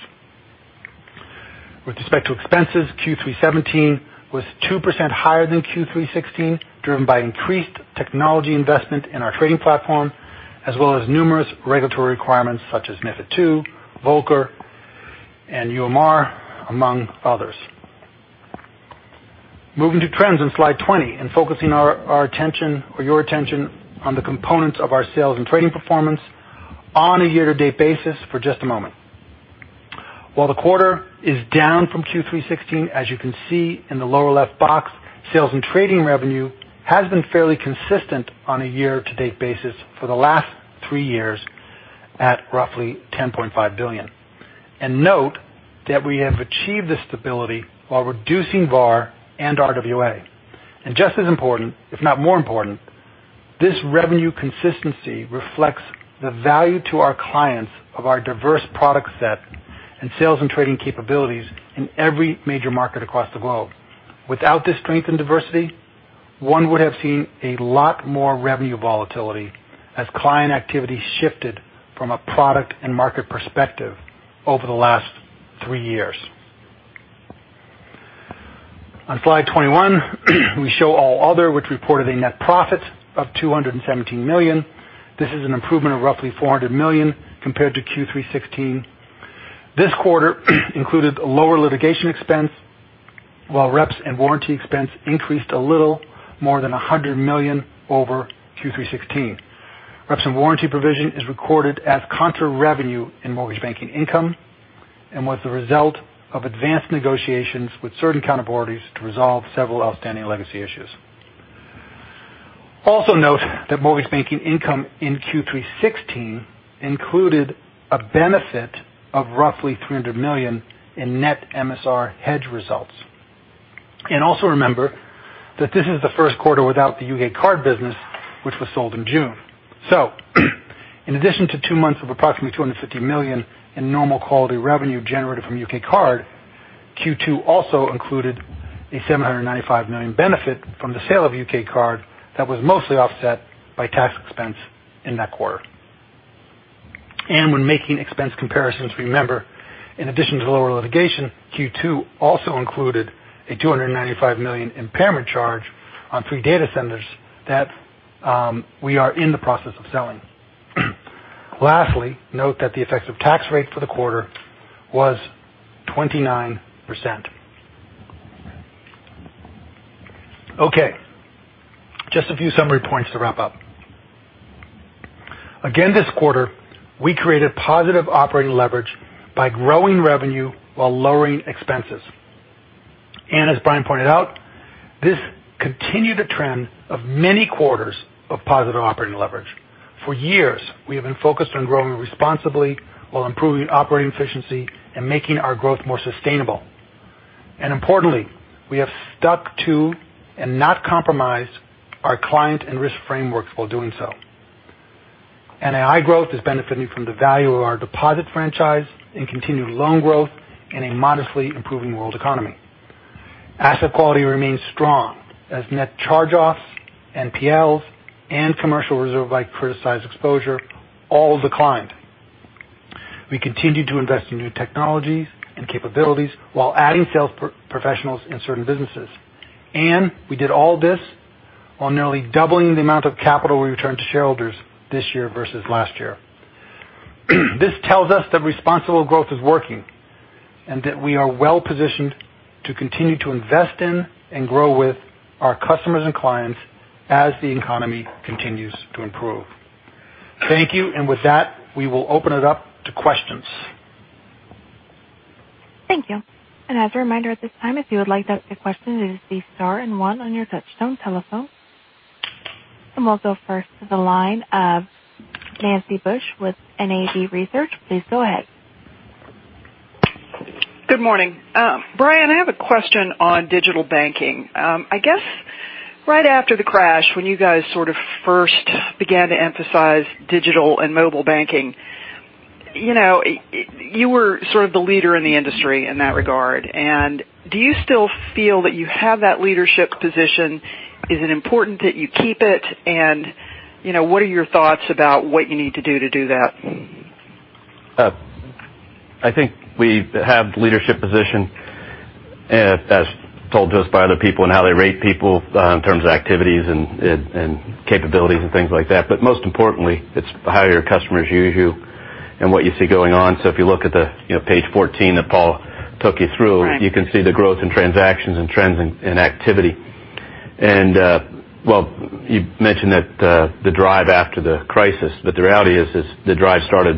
With respect to expenses, Q3 2017 was 2% higher than Q3 2016, driven by increased technology investment in our trading platform as well as numerous regulatory requirements such as MiFID II, Volcker, and UMR, among others. Moving to trends on slide 20 and focusing your attention on the components of our sales and trading performance on a year-to-date basis for just a moment. While the quarter is down from Q3 2016, as you can see in the lower left box, sales and trading revenue has been fairly consistent on a year-to-date basis for the last three years at roughly $10.5 billion. Note that we have achieved this stability while reducing VAR and RWA. Just as important, if not more important, this revenue consistency reflects the value to our clients of our diverse product set and sales and trading capabilities in every major market across the globe. Without this strength and diversity, one would have seen a lot more revenue volatility as client activity shifted from a product and market perspective over the last three years. On slide 21, we show all other, which reported a net profit of $217 million. This is an improvement of roughly $400 million compared to Q3 2016. This quarter included lower litigation expense while reps and warranty expense increased a little more than $100 million over Q3 2016. Reps and warranty provision is recorded as contra revenue in mortgage banking income and was the result of advanced negotiations with certain counterparties to resolve several outstanding legacy issues. Also note that mortgage banking income in Q3 2016 included a benefit of roughly $300 million in net MSR hedge results. Also remember that this is the first quarter without the UK Card business, which was sold in June. In addition to two months of approximately $250 million in normal quality revenue generated from U.K. Card, Q2 also included a $795 million benefit from the sale of U.K. Card that was mostly offset by tax expense in that quarter. When making expense comparisons, remember, in addition to lower litigation, Q2 also included a $295 million impairment charge on three data centers that we are in the process of selling. Lastly, note that the effective tax rate for the quarter was 29%. Just a few summary points to wrap up. This quarter, we created positive operating leverage by growing revenue while lowering expenses. As Brian pointed out, this continued a trend of many quarters of positive operating leverage. For years, we have been focused on growing responsibly while improving operating efficiency and making our growth more sustainable. Importantly, we have stuck to and not compromised our client and risk frameworks while doing so. NII growth is benefiting from the value of our deposit franchise and continued loan growth in a modestly improving world economy. Asset quality remains strong as Net Charge-Offs, NPLs, and commercial reserve-like criticized exposure all declined. We continued to invest in new technologies and capabilities while adding sales professionals in certain businesses. We did all this while nearly doubling the amount of capital we returned to shareholders this year versus last year. This tells us that responsible growth is working, and that we are well-positioned to continue to invest in and grow with our customers and clients as the economy continues to improve. Thank you. With that, we will open it up to questions. Thank you. As a reminder at this time, if you would like to ask a question, it is star and one on your touchtone telephone. We'll go first to the line of Nancy Bush with NAB Research. Please go ahead. Good morning. Brian, I have a question on digital banking. I guess right after the crash, when you guys first began to emphasize digital and mobile banking, you were sort of the leader in the industry in that regard. Do you still feel that you have that leadership position? Is it important that you keep it? What are your thoughts about what you need to do to do that? I think we have the leadership position as told to us by other people and how they rate people in terms of activities and capabilities and things like that. Most importantly, it's how your customers use you and what you see going on. If you look at page 14 that Paul took you through. Right You can see the growth in transactions and trends in activity. You mentioned that the drive after the crisis, the reality is the drive started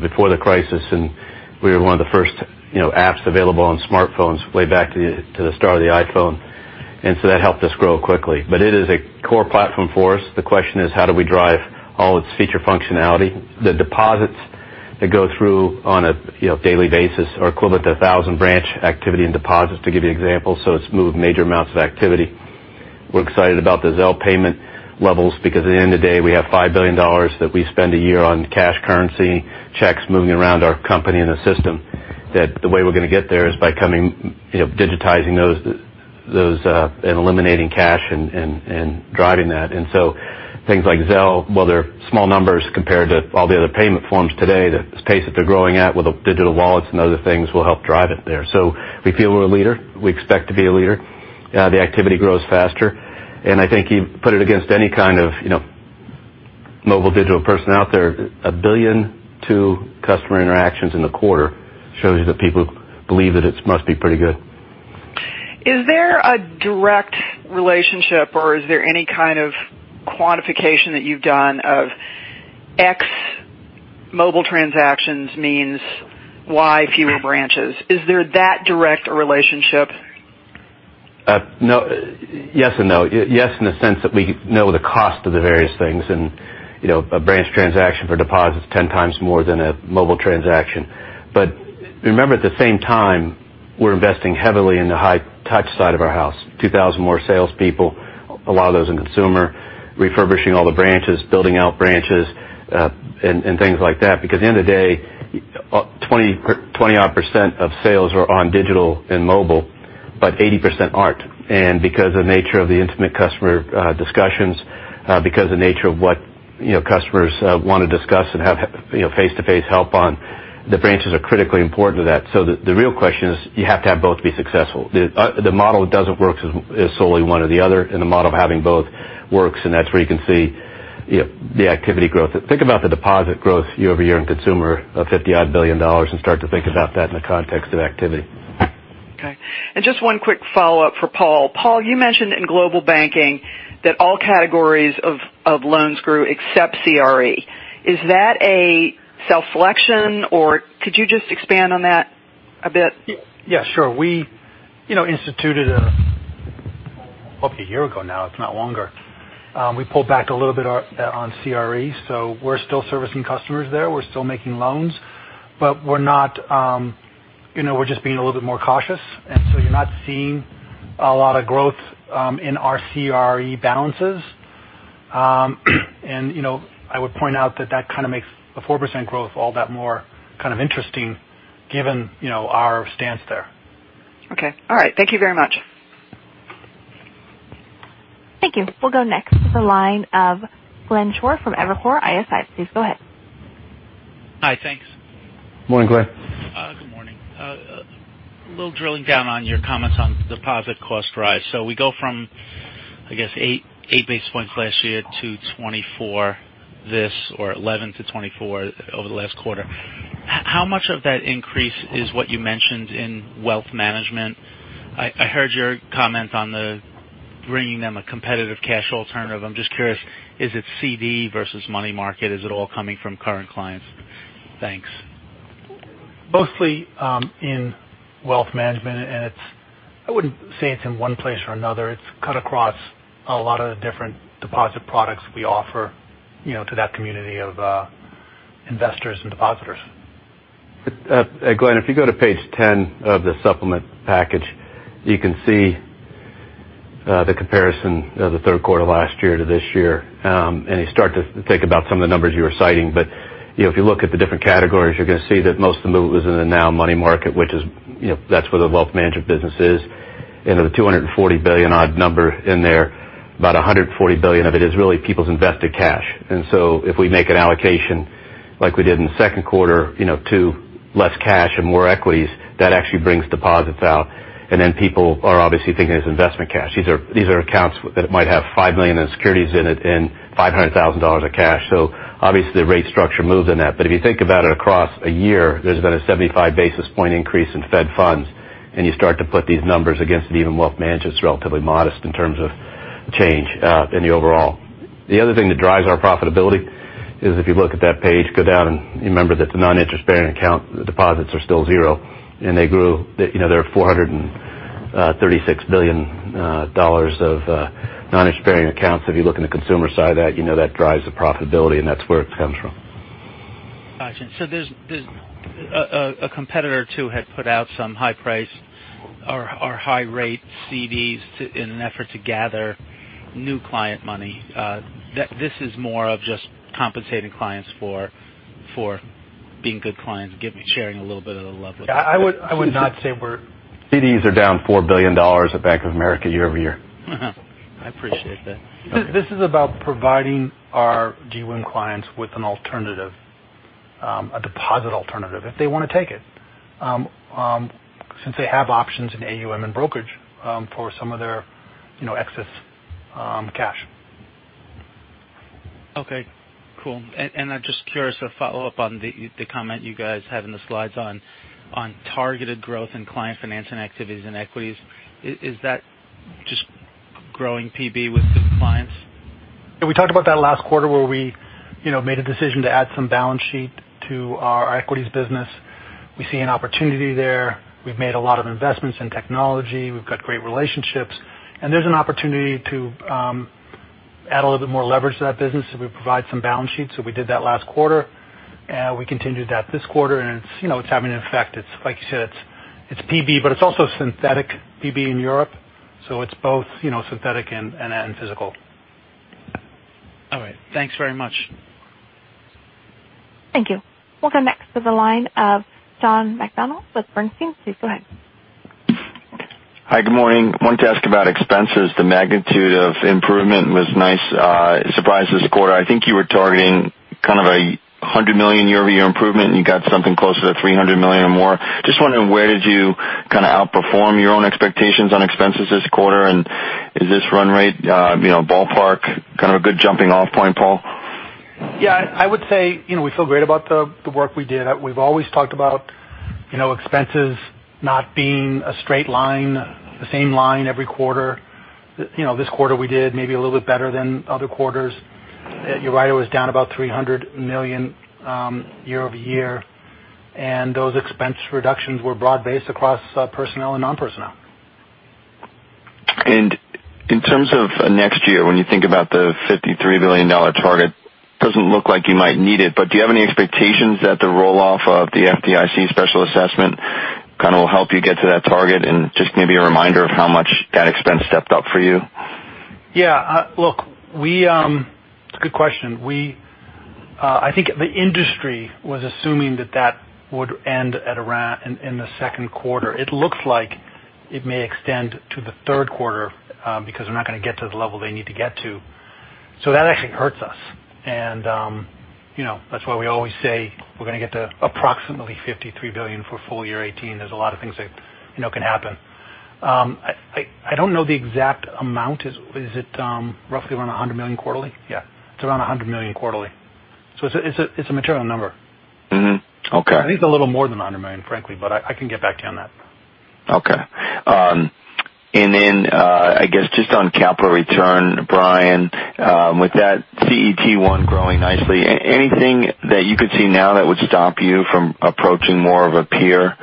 before the crisis, and we were one of the first apps available on smartphones way back to the start of the iPhone. That helped us grow quickly. It is a core platform for us. The question is how do we drive all its feature functionality? The deposits that go through on a daily basis are equivalent to 1,000 branch activity and deposits, to give you an example. It's moved major amounts of activity. We're excited about the Zelle payment levels because at the end of the day, we have $5 billion that we spend a year on cash currency, checks moving around our company in the system, that the way we're going to get there is by digitizing those and eliminating cash and driving that. Things like Zelle, while they're small numbers compared to all the other payment forms today, the pace that they're growing at with the digital wallets and other things will help drive it there. We feel we're a leader. We expect to be a leader. The activity grows faster. I think you put it against any kind of mobile digital person out there. 1 billion to customer interactions in the quarter shows you that people believe that it must be pretty good. Is there a direct relationship, or is there any kind of quantification that you've done of X mobile transactions means Y fewer branches? Is there that direct a relationship? Yes and no. Yes, in the sense that we know the cost of the various things. A branch transaction for deposit is 10 times more than a mobile transaction. Remember, at the same time, we're investing heavily in the high-touch side of our house. 2,000 more salespeople, a lot of those in consumer, refurbishing all the branches, building out branches, and things like that. Because at the end of the day, 20-odd% of sales are on digital and mobile, but 80% aren't. Because of the nature of the intimate customer discussions, because of the nature of what customers want to discuss and have face-to-face help on, the branches are critically important to that. The real question is you have to have both to be successful. The model doesn't work if it's solely one or the other, and the model of having both works, and that's where you can see the activity growth. Think about the deposit growth year-over-year in consumer of $50-odd billion and start to think about that in the context of activity. Okay. Just one quick follow-up for Paul. Paul, you mentioned in global banking that all categories of loans grew except CRE. Is that a self-selection, or could you just expand on that a bit? Yeah, sure. Up to a year ago now, if not longer. We pulled back a little bit on CRE. We're still servicing customers there. We're still making loans, but we're just being a little bit more cautious. You're not seeing a lot of growth in our CRE balances. I would point out that kind of makes a 4% growth all that more kind of interesting given our stance there. Okay. All right. Thank you very much. Thank you. We'll go next to the line of Glenn Schorr from Evercore ISI. Please go ahead. Hi. Thanks. Morning, Glenn. Good morning. A little drilling down on your comments on deposit cost rise. We go from, I guess, eight basis points last year to 24 this or 11 to 24 over the last quarter. How much of that increase is what you mentioned in wealth management? I heard your comment on bringing them a competitive cash alternative. I'm just curious, is it CD versus money market? Is it all coming from current clients? Thanks. Mostly in wealth management, I wouldn't say it's in one place or another. It's cut across a lot of the different deposit products we offer to that community of investors and depositors. Glenn, if you go to page 10 of the supplement package, you can see the comparison of the third quarter last year to this year, you start to think about some of the numbers you were citing. If you look at the different categories, you're going to see that most of the movement was in the Now Money Market, which that's where the wealth management business is. Of the $240 billion odd number in there, about $140 billion of it is really people's invested cash. If we make an allocation like we did in the second quarter to less cash and more equities, that actually brings deposits out, then people are obviously thinking it's investment cash. These are accounts that might have $5 million in securities in it and $500,000 of cash. Obviously, the rate structure moves in that. If you think about it across a year, there's been a 75 basis point increase in Fed funds, you start to put these numbers against it, even wealth management's relatively modest in terms of change in the overall. The other thing that drives our profitability is if you look at that page, go down and remember that the non-interest-bearing account deposits are still zero, they grew. There are $436 billion of non-expiring accounts. If you look in the consumer side of that, you know that drives the profitability, that's where it comes from. Got you. There's a competitor or two had put out some high price or high rate CDs in an effort to gather new client money. This is more of just compensating clients for being good clients, sharing a little bit of the love. I would not say. CDs are down $4 billion at Bank of America year-over-year. I appreciate that. This is about providing our GWIM clients with an alternative, a deposit alternative, if they want to take it. Since they have options in AUM and brokerage for some of their excess cash. Okay, cool. I'm just curious to follow up on the comment you guys have in the slides on targeted growth in client financing activities and equities. Is that just growing PB with the clients? Yeah, we talked about that last quarter where we made a decision to add some balance sheet to our equities business. We see an opportunity there. We've made a lot of investments in technology. We've got great relationships. There's an opportunity to add a little bit more leverage to that business if we provide some balance sheets. We did that last quarter. We continued that this quarter, and it's having an effect. Like you said, it's PB, but it's also synthetic PB in Europe. It's both synthetic and physical. All right. Thanks very much. Thank you. We'll go next to the line of John McDonald with Bernstein. Please go ahead. Hi, good morning. Wanted to ask about expenses. The magnitude of improvement was nice surprise this quarter. I think you were targeting kind of $100 million year-over-year improvement, you got something closer to $300 million or more. Just wondering, where did you kind of outperform your own expectations on expenses this quarter? Is this run rate ballpark kind of a good jumping-off point, Paul? Yeah, I would say we feel great about the work we did. We've always talked about expenses not being a straight line, the same line every quarter. This quarter we did maybe a little bit better than other quarters. You're right, it was down about $300 million year-over-year, those expense reductions were broad-based across personnel and non-personnel. In terms of next year, when you think about the $53 billion target, doesn't look like you might need it, but do you have any expectations that the roll-off of the FDIC special assessment kind of will help you get to that target? Just maybe a reminder of how much that expense stepped up for you. It's a good question. I think the industry was assuming that that would end in the second quarter. It looks like it may extend to the third quarter because they're not going to get to the level they need to get to. That actually hurts us. That's why we always say we're going to get to approximately $53 billion for full year 2018. There's a lot of things that can happen. I don't know the exact amount. Is it roughly around $100 million quarterly? It's around $100 million quarterly. It's a material number. Okay. I think it's a little more than $100 million, frankly, but I can get back to you on that. Okay. I guess just on capital return, Brian, with that CET1 growing nicely, anything that you could see now that would stop you from approaching more of a peer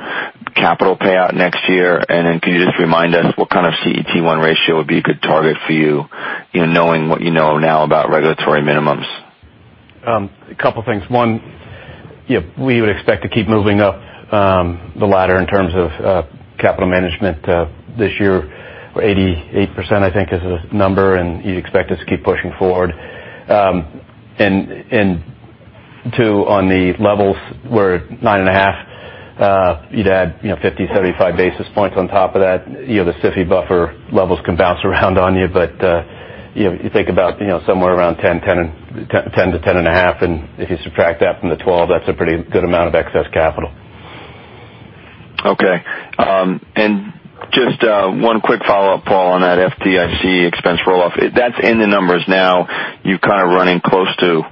capital payout next year? Could you just remind us what kind of CET1 ratio would be a good target for you in knowing what you know now about regulatory minimums? A couple of things. One, we would expect to keep moving up the ladder in terms of capital management this year. 88%, I think, is the number, and you'd expect us to keep pushing forward. Two, on the levels, we're nine and a half. You'd add 50, 75 basis points on top of that. The SIFI buffer levels can bounce around on you, but if you think about somewhere around 10 to 10 and a half, and if you subtract that from the 12, that's a pretty good amount of excess capital. Okay. Just one quick follow-up, Paul, on that FDIC expense roll-off. That's in the numbers now. You're kind of running close to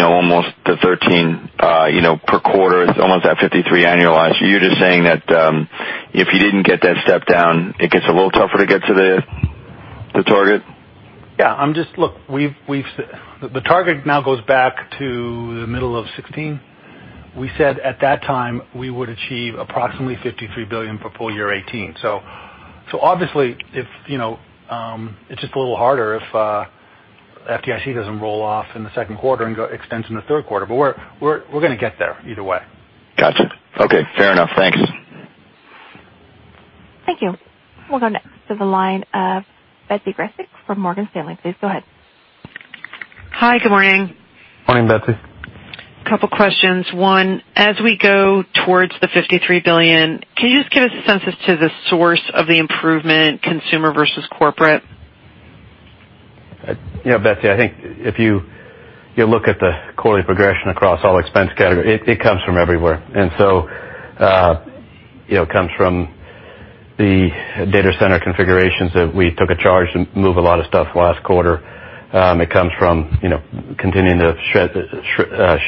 almost the 13 per quarter. It's almost at 53 annualized. You're just saying that if you didn't get that step down, it gets a little tougher to get to the target? Yeah. Look, the target now goes back to the middle of 2016. We said at that time we would achieve approximately $53 billion for full year 2018. Obviously, it's just a little harder if FDIC doesn't roll off in the second quarter and extends in the third quarter. We're going to get there either way. Got you. Okay, fair enough. Thank you. Thank you. We'll go next to the line of Betsy Graseck from Morgan Stanley. Please go ahead. Hi, good morning. Morning, Betsy. A couple questions. One, as we go towards the $53 billion, can you just give us a sense to the source of the improvement, consumer versus corporate? Betsy, I think if you look at the quarterly progression across all expense categories, it comes from everywhere. It comes from the data center configurations that we took a charge to move a lot of stuff last quarter. It comes from continuing to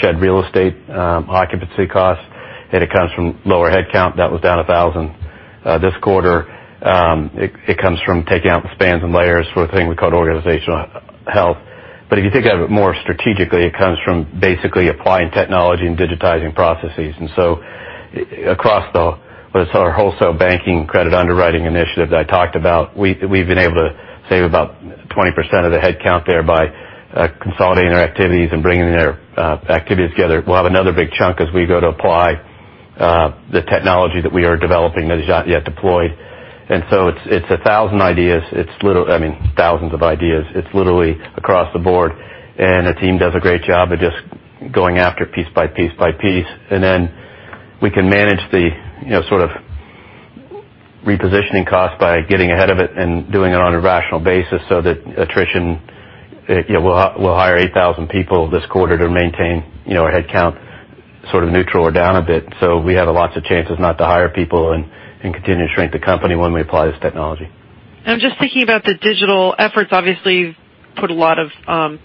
shed real estate occupancy costs, and it comes from lower headcount. That was down 1,000 this quarter. It comes from taking out the spans and layers for a thing we call organizational health. If you think of it more strategically, it comes from basically applying technology and digitizing processes. Across the wholesale banking credit underwriting initiative that I talked about, we've been able to save about 20% of the headcount there by consolidating our activities and bringing their activities together. We'll have another big chunk as we go to apply the technology that we are developing that is not yet deployed. It's 1,000 ideas. I mean, thousands of ideas. It's literally across the board, and the team does a great job of just going after piece by piece by piece. We can manage the sort of repositioning cost by getting ahead of it and doing it on a rational basis so that attrition, we'll hire 8,000 people this quarter to maintain our headcount sort of neutral or down a bit. We have lots of chances not to hire people and continue to shrink the company when we apply this technology. I'm just thinking about the digital efforts. Obviously, you've put a lot of time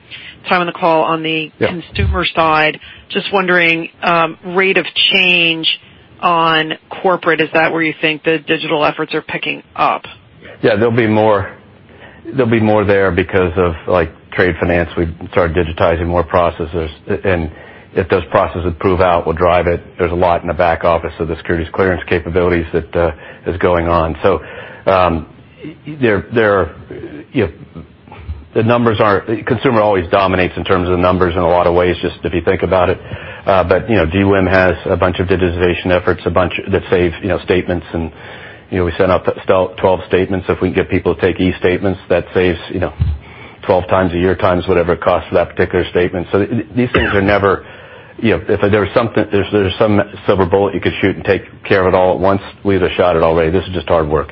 on the call on the Yeah consumer side. Just wondering, rate of change on corporate, is that where you think the digital efforts are picking up? Yeah, there'll be more there because of trade finance. We started digitizing more processes. If those processes prove out, we'll drive it. There's a lot in the back office of the securities clearance capabilities that is going on. The consumer always dominates in terms of the numbers in a lot of ways, just if you think about it. GWIM has a bunch of digitization efforts, a bunch that save statements. We send out 12 statements. If we can get people to take e-statements, that saves 12 times a year times whatever it costs for that particular statement. These things are never. If there's some silver bullet you could shoot and take care of it all at once, we'd have shot it already. This is just hard work.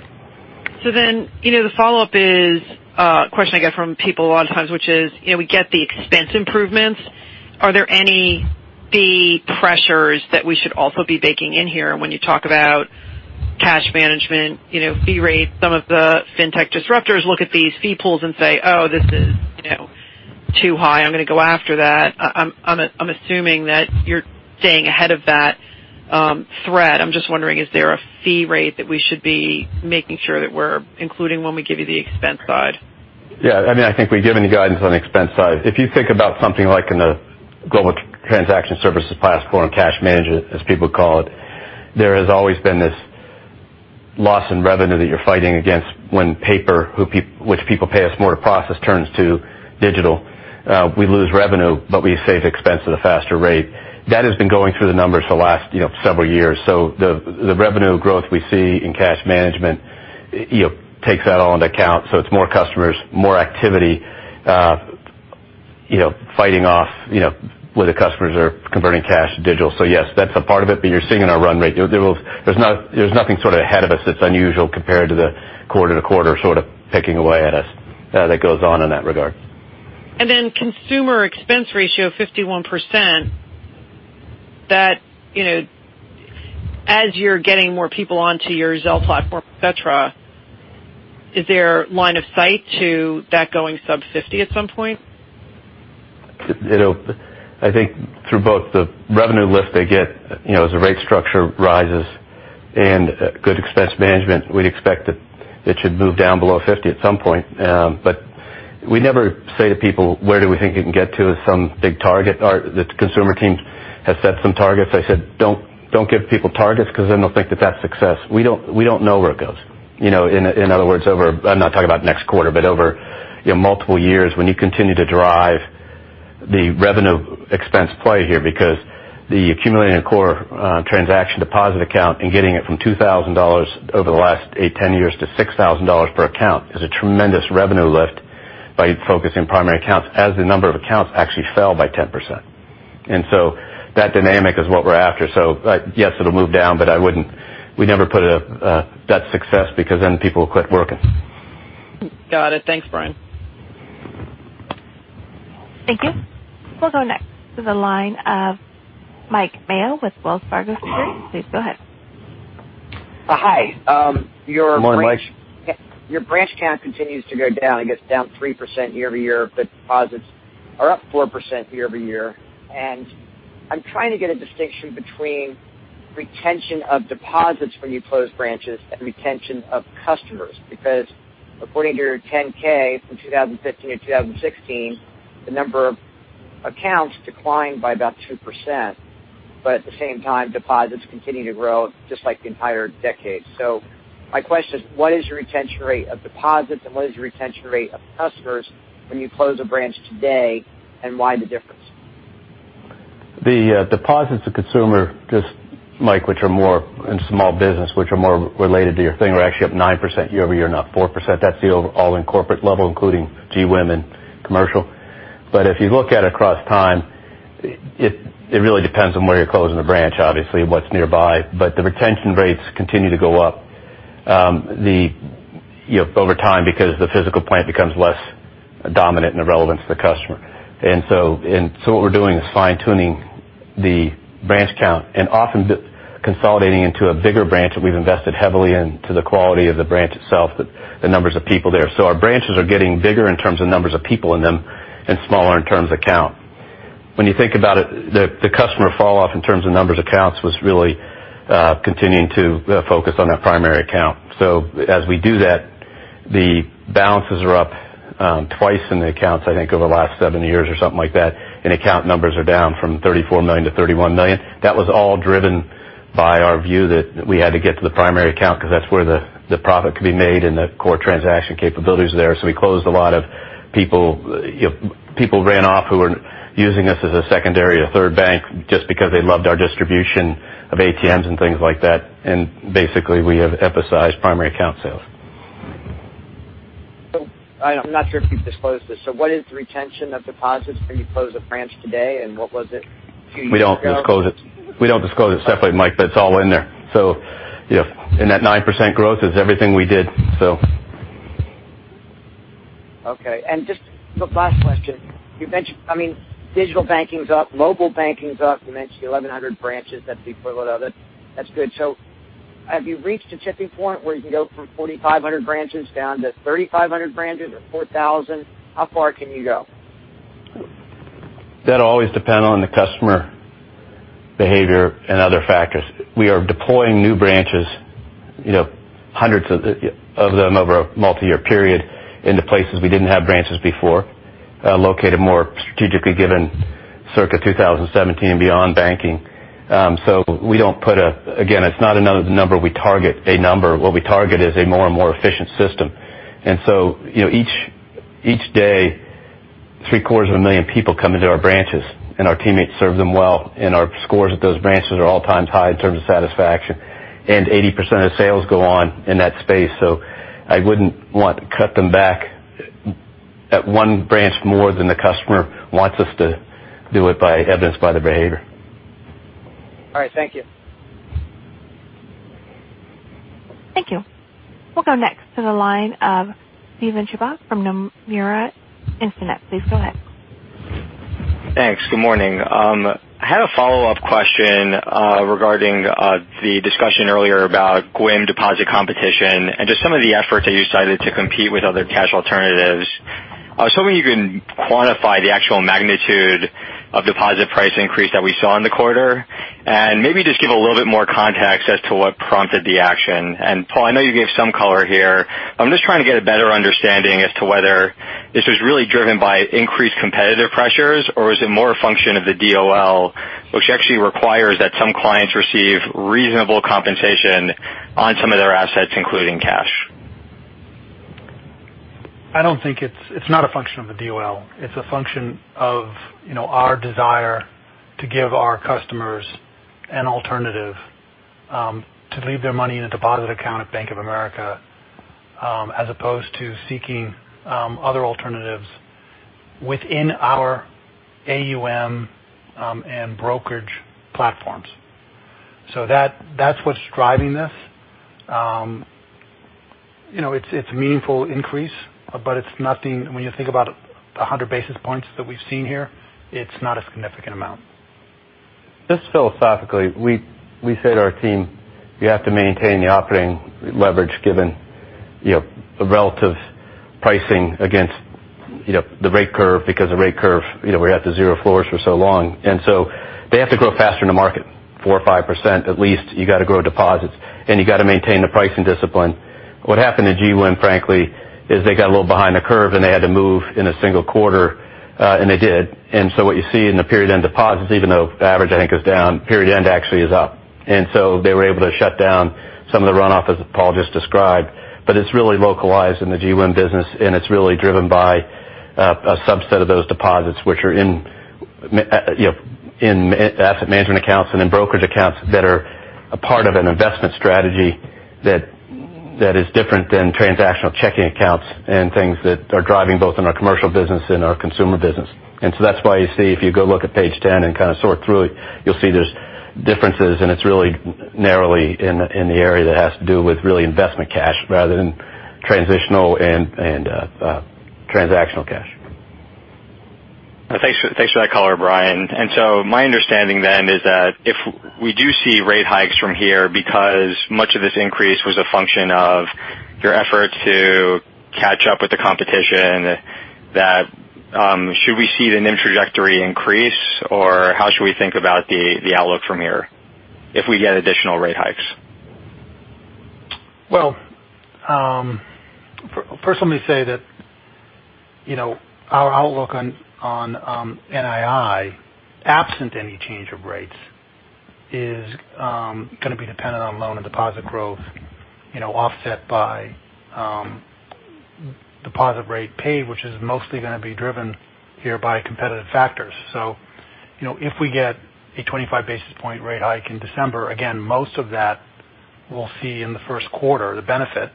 The follow-up is a question I get from people a lot of times, which is, we get the expense improvements. Are there any fee pressures that we should also be baking in here? When you talk about cash management, fee rates, some of the fintech disruptors look at these fee pools and say, "Oh, this is too high. I'm going to go after that." I'm assuming that you're staying ahead of that threat. I'm just wondering, is there a fee rate that we should be making sure that we're including when we give you the expense side? Yeah. I think we've given you guidance on the expense side. If you think about something like in the global transaction services platform, cash management, as people call it, there has always been this loss in revenue that you're fighting against when paper, which people pay us more to process, turns to digital. We lose revenue, but we save expense at a faster rate. That has been going through the numbers for the last several years. The revenue growth we see in cash management takes that all into account. It's more customers, more activity, fighting off where the customers are converting cash to digital. Yes, that's a part of it. You're seeing in our run rate. There's nothing sort of ahead of us that's unusual compared to the quarter to quarter sort of picking away at us that goes on in that regard. Consumer expense ratio of 51%, as you're getting more people onto your Zelle platform, et cetera, is there line of sight to that going sub 50 at some point? I think through both the revenue lift they get as the rate structure rises and good expense management, we'd expect that it should move down below 50 at some point. We never say to people where do we think it can get to as some big target. The consumer team has set some targets. I said, "Don't give people targets because then they'll think that that's success." We don't know where it goes. In other words, I'm not talking about next quarter, but over multiple years, when you continue to drive the revenue expense play here because the accumulated core transaction deposit account and getting it from $2,000 over the last eight, 10 years to $6,000 per account is a tremendous revenue lift by focusing primary accounts as the number of accounts actually fell by 10%. That dynamic is what we're after. Yes, it'll move down, we never put it as a success because then people will quit working. Got it. Thanks, Brian. Thank you. We'll go next to the line of Mike Mayo with Wells Fargo Securities. Please go ahead. Hi. Good morning, Mike. Your branch count continues to go down. It gets down 3% year-over-year, but deposits are up 4% year-over-year. I'm trying to get a distinction between retention of deposits when you close branches and retention of customers. According to your 10-K from 2015 to 2016, the number of Accounts declined by about 2%, but at the same time, deposits continue to grow just like the entire decade. My question is, what is your retention rate of deposits, and what is your retention rate of customers when you close a branch today, and why the difference? The deposits of consumer, just Mike, which are more in small business, which are more related to your thing, we're actually up 9% year-over-year, not 4%. That's the all-in corporate level, including GWIM and commercial. If you look at it across time, it really depends on where you're closing the branch, obviously, what's nearby. The retention rates continue to go up over time because the physical plant becomes less dominant and irrelevant to the customer. What we're doing is fine-tuning the branch count and often consolidating into a bigger branch that we've invested heavily in to the quality of the branch itself, the numbers of people there. Our branches are getting bigger in terms of numbers of people in them and smaller in terms of count. When you think about it, the customer fall-off in terms of numbers of accounts was really continuing to focus on that primary account. As we do that, the balances are up twice in the accounts, I think, over the last seven years or something like that, and account numbers are down from 34 million to 31 million. That was all driven by our view that we had to get to the primary account because that's where the profit could be made and the core transaction capabilities are there. We closed a lot of people ran off who were using us as a secondary or third bank just because they loved our distribution of ATMs and things like that. Basically, we have emphasized primary account sales. I'm not sure if you've disclosed this. What is the retention of deposits when you close a branch today, and what was it two years ago? We don't disclose it separately, Mike, it's all in there. In that 9% growth is everything we did. Okay. Just the last question. You mentioned digital banking's up, mobile banking's up. You mentioned the 1,100 branches. That's the equivalent of it. That's good. Have you reached a tipping point where you can go from 4,500 branches down to 3,500 branches or 4,000? How far can you go? That will always depend on the customer behavior and other factors. We are deploying new branches, hundreds of them over a multi-year period into places we didn't have branches before, located more strategically given circa 2017 and beyond banking. Again, it's not another number. We target a number. What we target is a more and more efficient system. Each day, three-quarters of a million people come into our branches, and our teammates serve them well, and our scores at those branches are all-time high in terms of satisfaction. 80% of sales go on in that space. I wouldn't want to cut them back at one branch more than the customer wants us to do it as evidenced by their behavior. All right. Thank you. Thank you. We'll go next to the line of Steven Chubak from Nomura Instinet. Please go ahead. Thanks. Good morning. I had a follow-up question regarding the discussion earlier about GWIM deposit competition and just some of the efforts that you cited to compete with other cash alternatives. I was hoping you can quantify the actual magnitude of deposit price increase that we saw in the quarter and maybe just give a little bit more context as to what prompted the action. Paul, I know you gave some color here. I'm just trying to get a better understanding as to whether this was really driven by increased competitive pressures, or is it more a function of the DOL, which actually requires that some clients receive reasonable compensation on some of their assets, including cash? It's not a function of a DOL. It's a function of our desire to give our customers an alternative to leave their money in a deposit account at Bank of America as opposed to seeking other alternatives within our AUM and brokerage platforms. That's what's driving this. It's a meaningful increase, but it's nothing, when you think about 100 basis points that we've seen here, it's not a significant amount. Just philosophically, we said to our team, you have to maintain the operating leverage given the relative pricing against the rate curve because the rate curve, we have the zero floors for so long. They have to grow faster in the market, 4% or 5% at least. You got to grow deposits, and you got to maintain the pricing discipline. What happened to GWIM, frankly, is they got a little behind the curve, and they had to move in a single quarter, and they did. What you see in the period-end deposits, even though the average, I think, is down, period-end actually is up. They were able to shut down some of the runoff, as Paul just described. It's really localized in the GWIM business, and it's really driven by a subset of those deposits, which are in asset management accounts and in brokerage accounts that are a part of an investment strategy that is different than transactional checking accounts and things that are driving both in our commercial business and our consumer business. That's why you see, if you go look at page 10 and kind of sort through it, you'll see there's differences, and it's really narrowly in the area that has to do with really investment cash rather than transitional and transactional cash. Thanks for that color, Brian. My understanding then is that if we do see rate hikes from here because much of this increase was a function of your effort to catch up with the competition, should we see the trajectory increase, or how should we think about the outlook from here if we get additional rate hikes? First let me say that our outlook on NII, absent any change of rates, is going to be dependent on loan and deposit growth offset by deposit rate paid, which is mostly going to be driven here by competitive factors. If we get a 25 basis point rate hike in December, again, most of that we'll see in the first quarter, the benefit.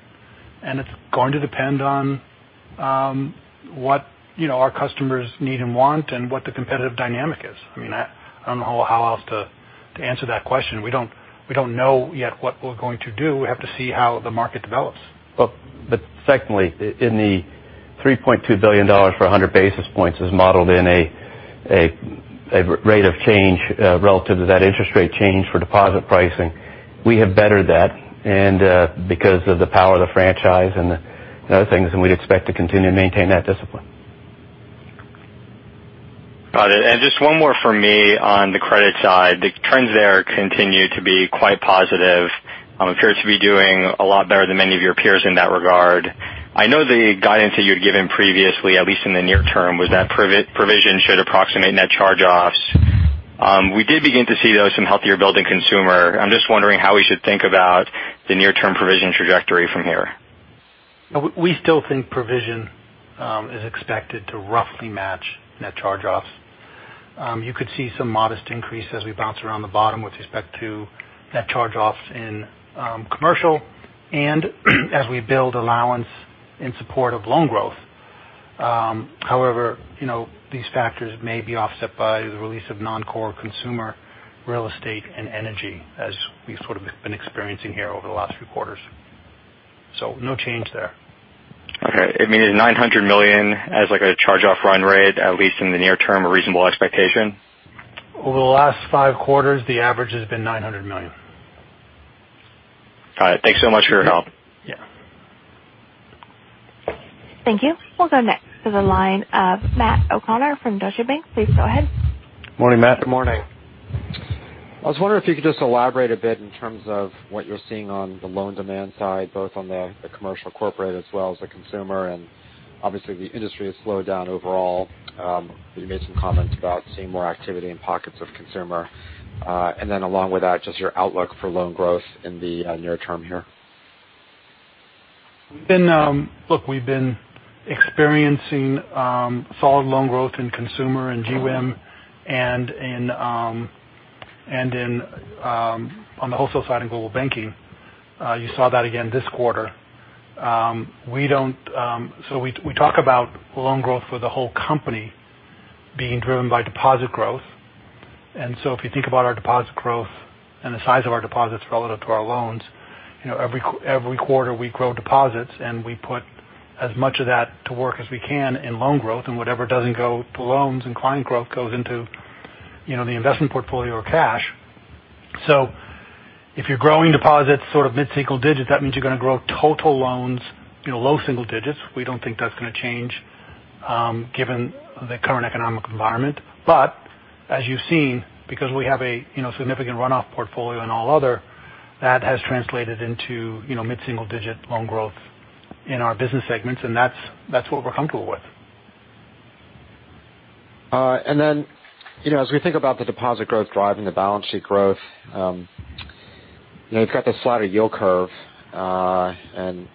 It's going to depend on what our customers need and want and what the competitive dynamic is. I don't know how else to answer that question. We don't know yet what we're going to do. We have to see how the market develops. Secondly, in the $3.2 billion for 100 basis points is modeled in a rate of change relative to that interest rate change for deposit pricing. We have bettered that because of the power of the franchise and the other things, we'd expect to continue to maintain that discipline. Got it. Just one more from me on the credit side. The trends there continue to be quite positive. You appear to be doing a lot better than many of your peers in that regard. I know the guidance that you'd given previously, at least in the near term, was that provision should approximate net charge-offs. We did begin to see, though, some healthier building consumer. I'm just wondering how we should think about the near-term provision trajectory from here. We still think provision is expected to roughly match net charge-offs. You could see some modest increase as we bounce around the bottom with respect to net charge-offs in commercial and as we build allowance in support of loan growth. However, these factors may be offset by the release of non-core consumer real estate and energy as we've sort of been experiencing here over the last few quarters. No change there. Okay. I mean, is $900 million as like a charge-off run rate, at least in the near term, a reasonable expectation? Over the last five quarters, the average has been $900 million. All right. Thanks so much for your help. Yeah. Thank you. We'll go next to the line of Matt O'Connor from Deutsche Bank. Please go ahead. Morning, Matt. Good morning. I was wondering if you could just elaborate a bit in terms of what you're seeing on the loan demand side, both on the commercial corporate as well as the consumer. Obviously, the industry has slowed down overall. You made some comments about seeing more activity in pockets of consumer. Along with that, just your outlook for loan growth in the near term here. Look, we've been experiencing solid loan growth in consumer and GWIM and on the wholesale side in global banking. You saw that again this quarter. We talk about loan growth for the whole company being driven by deposit growth. If you think about our deposit growth and the size of our deposits relative to our loans, every quarter we grow deposits, and we put as much of that to work as we can in loan growth, and whatever doesn't go to loans and client growth goes into the investment portfolio or cash. If you're growing deposits sort of mid-single digits, that means you're going to grow total loans low single digits. We don't think that's going to change given the current economic environment. As you've seen, because we have a significant runoff portfolio in all other, that has translated into mid-single digit loan growth in our business segments. That's what we're comfortable with. All right. As we think about the deposit growth driving the balance sheet growth, you've got this flatter yield curve. My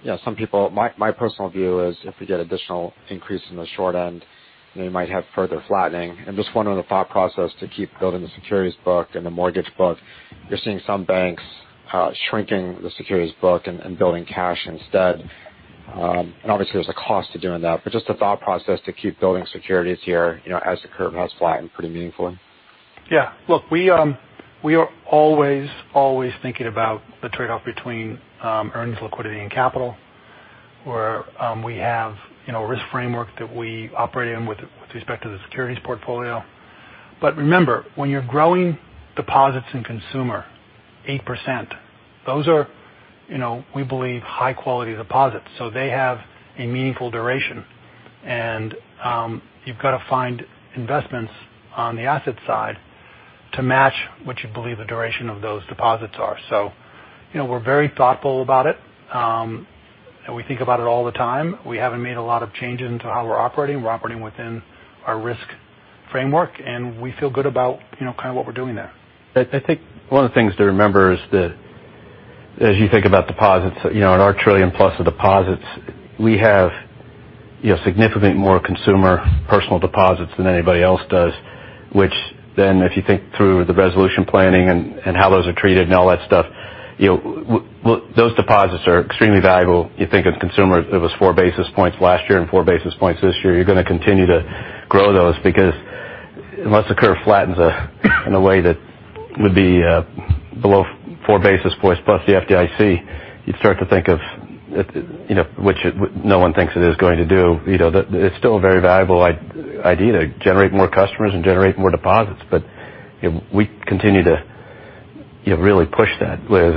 personal view is if we get additional increase in the short end, we might have further flattening. Just wondering the thought process to keep building the securities book and the mortgage book. You're seeing some banks shrinking the securities book and building cash instead. Obviously, there's a cost to doing that, but just the thought process to keep building securities here as the curve has flattened pretty meaningfully. Yeah. Look, we are always thinking about the trade-off between earnings, liquidity, and capital, where we have a risk framework that we operate in with respect to the securities portfolio. Remember, when you're growing deposits in consumer 8%, those are we believe high-quality deposits. They have a meaningful duration, and you've got to find investments on the asset side to match what you believe the duration of those deposits are. We're very thoughtful about it. We think about it all the time. We haven't made a lot of changes into how we're operating. We're operating within our risk framework, and we feel good about kind of what we're doing there. I think one of the things to remember is that as you think about deposits, in our trillion-plus of deposits, we have significantly more consumer personal deposits than anybody else does, which then if you think through the resolution planning and how those are treated and all that stuff, those deposits are extremely valuable. You think of consumer, it was four basis points last year and four basis points this year. You're going to continue to grow those because unless the curve flattens in a way that would be below four basis points plus the FDIC, you'd start to think of which no one thinks it is going to do. It's still a very valuable idea to generate more customers and generate more deposits. We continue to really push that with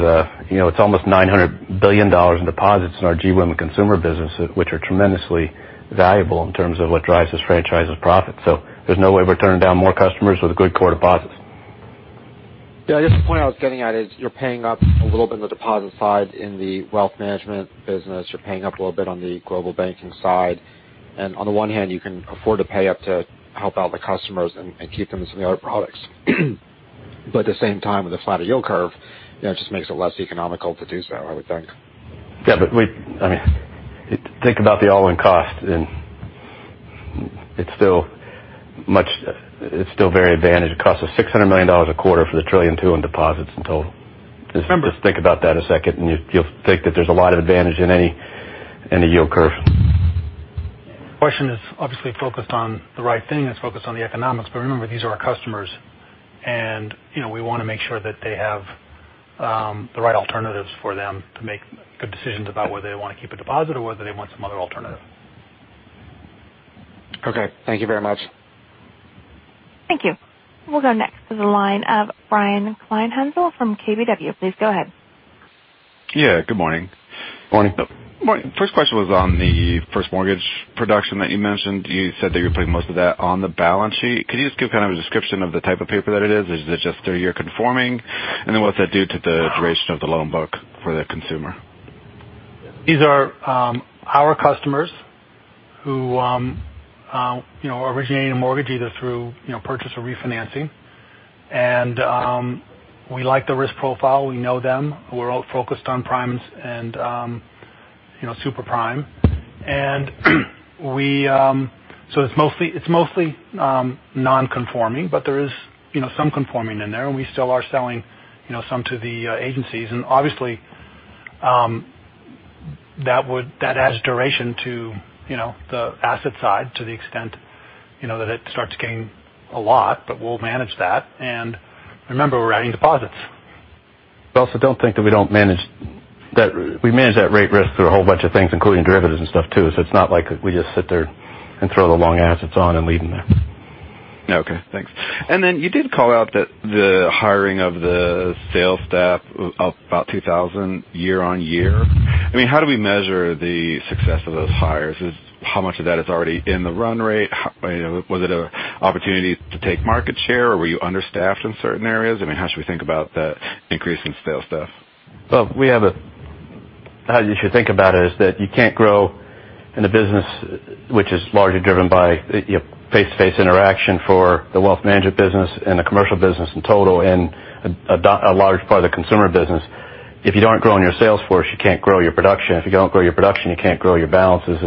it's almost $900 billion in deposits in our GWIM consumer business, which are tremendously valuable in terms of what drives this franchise's profit. There's no way we're turning down more customers with good core deposits. I guess the point I was getting at is you're paying up a little bit on the deposit side in the wealth management business. You're paying up a little bit on the global banking side. On the one hand, you can afford to pay up to help out the customers and keep them in some of the other products. At the same time, with the flatter yield curve, it just makes it less economical to do so, I would think. Think about the all-in cost, and it's still very advantaged. It costs us $600 million a quarter for the 1.2 trillion in deposits in total. December. Just think about that a second, and you'll think that there's a lot of advantage in any yield curve. The question is obviously focused on the right thing. It's focused on the economics. Remember, these are our customers, and we want to make sure that they have the right alternatives for them to make good decisions about whether they want to keep a deposit or whether they want some other alternative. Okay. Thank you very much. Thank you. We'll go next to the line of Brian Kleinhanzl from KBW. Please go ahead. Yeah, good morning. Morning. Morning. First question was on the first mortgage production that you mentioned. You said that you were putting most of that on the balance sheet. Could you just give kind of a description of the type of paper that it is? Is it just 30-year conforming? What's that do to the duration of the loan book for the consumer? These are our customers who are originating a mortgage either through purchase or refinancing. We like the risk profile. We know them. We're all focused on primes and super prime. It's mostly non-conforming, but there is some conforming in there, and we still are selling some to the agencies. Obviously, that adds duration to the asset side to the extent that it starts getting a lot, but we'll manage that. Remember, we're adding deposits. Also don't think that we don't manage that. We manage that rate risk through a whole bunch of things, including derivatives and stuff too. It's not like we just sit there and throw the long assets on and leave them there. Okay, thanks. Then you did call out the hiring of the sales staff up about 2,000 year-over-year. How do we measure the success of those hires? How much of that is already in the run rate? Was it an opportunity to take market share, or were you understaffed in certain areas? How should we think about that increase in sales staff? Well, how you should think about it is that you can't grow in a business which is largely driven by face-to-face interaction for the wealth management business and the commercial business in total and a large part of the consumer business. If you don't grow in your sales force, you can't grow your production. If you don't grow your production, you can't grow your balances.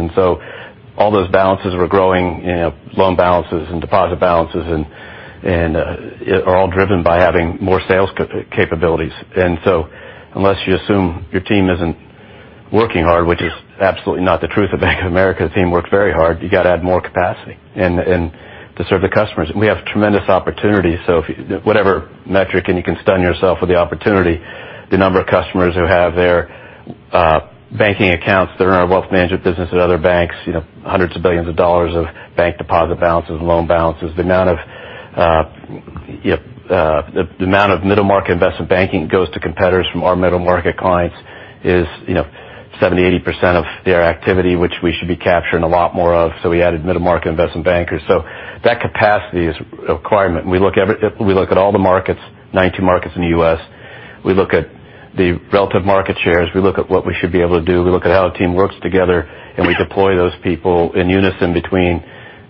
All those balances are growing, loan balances and deposit balances are all driven by having more sales capabilities. Unless you assume your team isn't working hard, which is absolutely not the truth at Bank of America, the team works very hard. You got to add more capacity to serve the customers. We have tremendous opportunities. Whatever metric, and you can stun yourself with the opportunity. The number of customers who have their banking accounts that are in our wealth management business at other banks, hundreds of billions of dollars of bank deposit balances and loan balances. The amount of middle market investment banking that goes to competitors from our middle market clients is 70%-80% of their activity, which we should be capturing a lot more of. We added middle market investment bankers. So that capacity is a requirement. We look at all the markets, 19 markets in the U.S. We look at the relative market shares. We look at what we should be able to do. We look at how a team works together, and we deploy those people in unison between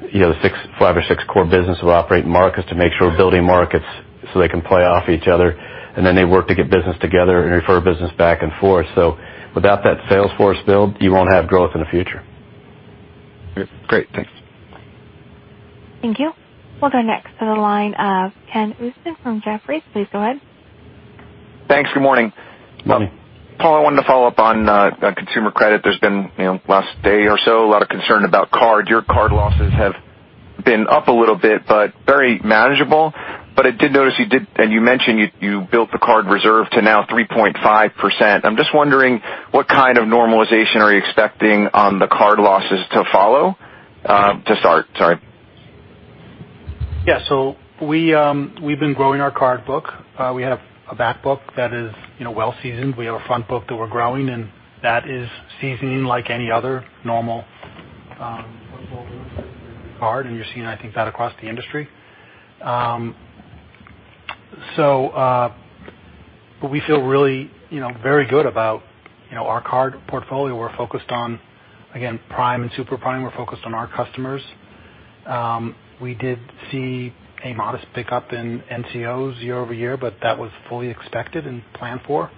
the five or six core business we operate in markets to make sure we're building markets so they can play off each other. They work to get business together and refer business back and forth. Without that sales force build, you won't have growth in the future. Great. Thanks. Thank you. We'll go next to the line of Kenneth Usdin from Jefferies. Please go ahead. Thanks. Good morning. Morning. Paul, I wanted to follow up on consumer credit. There's been, last day or so, a lot of concern about card. Your card losses have been up a little bit, but very manageable. I did notice you did, and you mentioned you built the card reserve to now 3.5%. I'm just wondering what kind of normalization are you expecting on the card losses to follow? To start, sorry. Yeah. We've been growing our card book. We have a back book that is well-seasoned. We have a front book that we're growing, and that is seasoning like any other normal card, and you're seeing, I think, that across the industry. We feel really very good about our card portfolio. We're focused on, again, prime and super prime. We're focused on our customers. We did see a modest pickup in NCOs year-over-year, but that was fully expected and planned for.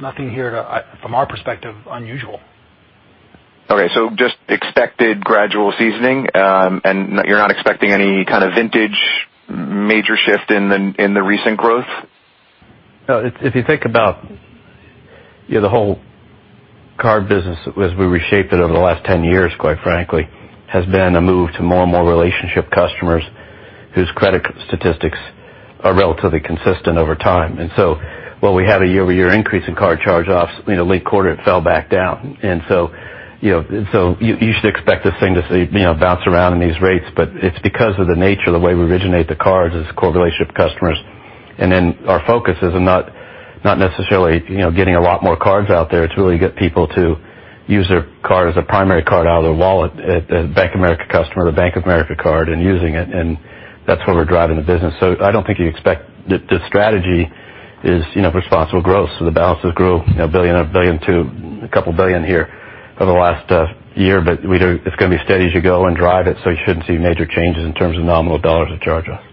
Nothing here from our perspective unusual. Okay. Just expected gradual seasoning, and you're not expecting any kind of vintage major shift in the recent growth? If you think about the whole card business as we reshaped it over the last 10 years, quite frankly, has been a move to more and more relationship customers whose credit statistics are relatively consistent over time. While we had a year-over-year increase in card charge-offs, late quarter, it fell back down. You should expect this thing to bounce around in these rates. It's because of the nature of the way we originate the cards as core relationship customers. Our focus is on not necessarily getting a lot more cards out there. It's really get people to use their card as a primary card out of their wallet, a Bank of America customer, the Bank of America card and using it, and that's where we're driving the business. I don't think you'd expect the strategy is responsible growth. The balances grew $1 billion-$2 billion here over the last year. It's going to be steady as you go and drive it, you shouldn't see major changes in terms of nominal dollars of charge-offs.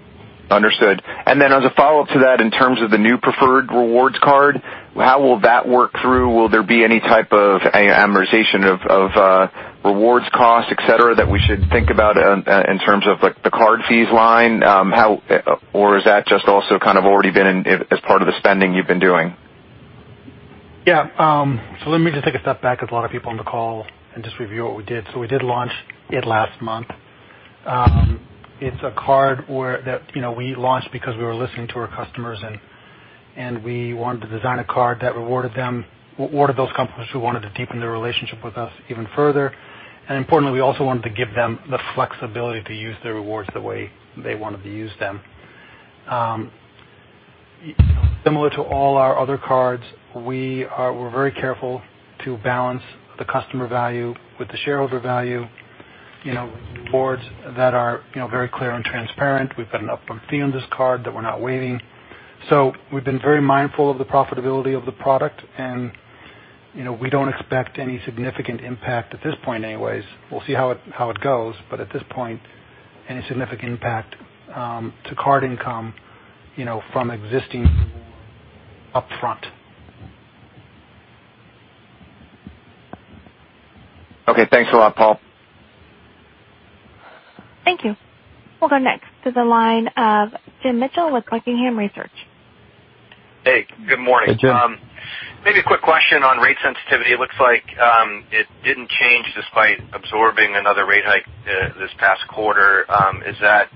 Understood. As a follow-up to that, in terms of the new Preferred Rewards Card, how will that work through? Will there be any type of amortization of rewards costs, et cetera, that we should think about in terms of the card fees line? Is that just also kind of already been as part of the spending you've been doing? Let me just take a step back with a lot of people on the call and just review what we did. We did launch it last month. It's a card that we launched because we were listening to our customers, and we wanted to design a card that rewarded those customers who wanted to deepen their relationship with us even further. Importantly, we also wanted to give them the flexibility to use their rewards the way they wanted to use them. Similar to all our other cards, we're very careful to balance the customer value with the shareholder value. Rewards that are very clear and transparent. We put an upfront fee on this card that we're not waiving. We've been very mindful of the profitability of the product, and we don't expect any significant impact at this point anyways. We'll see how it goes. At this point, any significant impact to card income from existing upfront. Okay, thanks a lot, Paul. Thank you. We'll go next to the line of James Mitchell with Buckingham Research. Hey, good morning. Jim. Maybe a quick question on rate sensitivity. It looks like it didn't change despite absorbing another rate hike this past quarter. Is that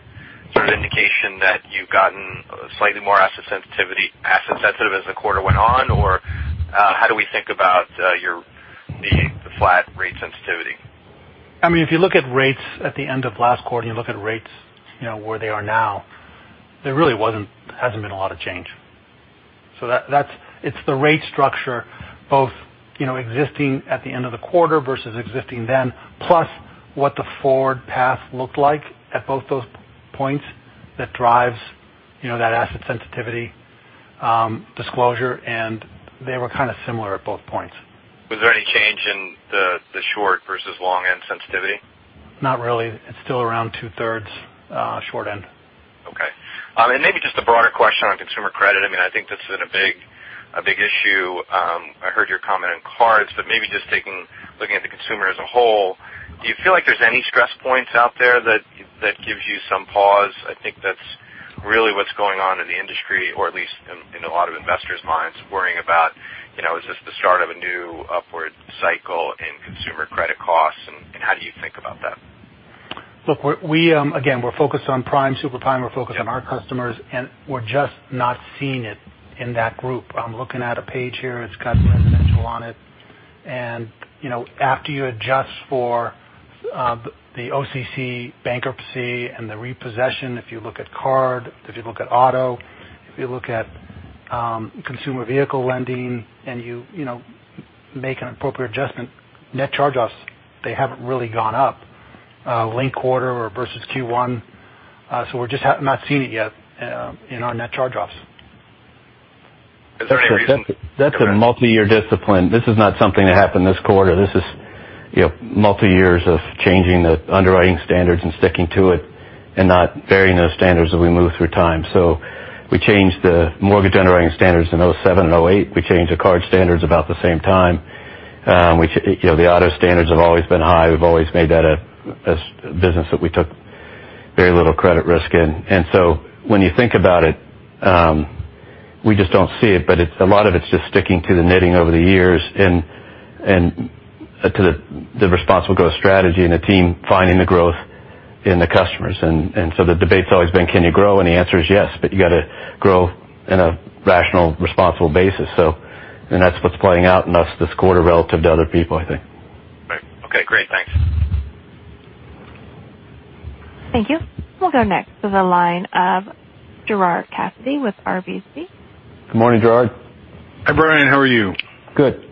sort of indication that you've gotten slightly more asset sensitive as the quarter went on? How do we think about the flat rate sensitivity? If you look at rates at the end of last quarter, and you look at rates where they are now, there really hasn't been a lot of change. It's the rate structure both existing at the end of the quarter versus existing then, plus what the forward path looked like at both those points that drives that asset sensitivity disclosure. They were kind of similar at both points. Was there any change in the short versus long end sensitivity? Not really. It's still around two-thirds short end. Okay. Maybe just a broader question on consumer credit. I think that's been a big issue. I heard your comment on cards, but maybe just looking at the consumer as a whole, do you feel like there's any stress points out there that gives you some pause? I think that's really what's going on in the industry, or at least in a lot of investors' minds worrying about, is this the start of a new upward cycle in consumer credit costs? How do you think about that? Look, again, we're focused on prime, super prime. We're focused on our customers, and we're just not seeing it in that group. I'm looking at a page here. It's got my initial on it. After you adjust for the OCC bankruptcy and the repossession, if you look at card, if you look at auto, if you look at consumer vehicle lending, and you make an appropriate adjustment, net charge-offs, they haven't really gone up linked quarter or versus Q1. We're just not seeing it yet in our net charge-offs. Is there any reason- That's a multi-year discipline. This is not something that happened this quarter. This is multi-years of changing the underwriting standards and sticking to it and not varying those standards as we move through time. We changed the mortgage underwriting standards in 2007 and 2008. We changed the card standards about the same time. The auto standards have always been high. We've always made that a business that we took very little credit risk in. When you think about it, we just don't see it, but a lot of it's just sticking to the knitting over the years and to the responsible growth strategy and the team finding the growth in the customers. The debate's always been, can you grow? And the answer is yes, but you got to grow in a rational, responsible basis. That's what's playing out in this quarter relative to other people, I think. Right. Okay, great. Thanks. Thank you. We'll go next to the line of Gerard Cassidy with RBC. Good morning, Gerard. Hi, Brian. How are you? Good.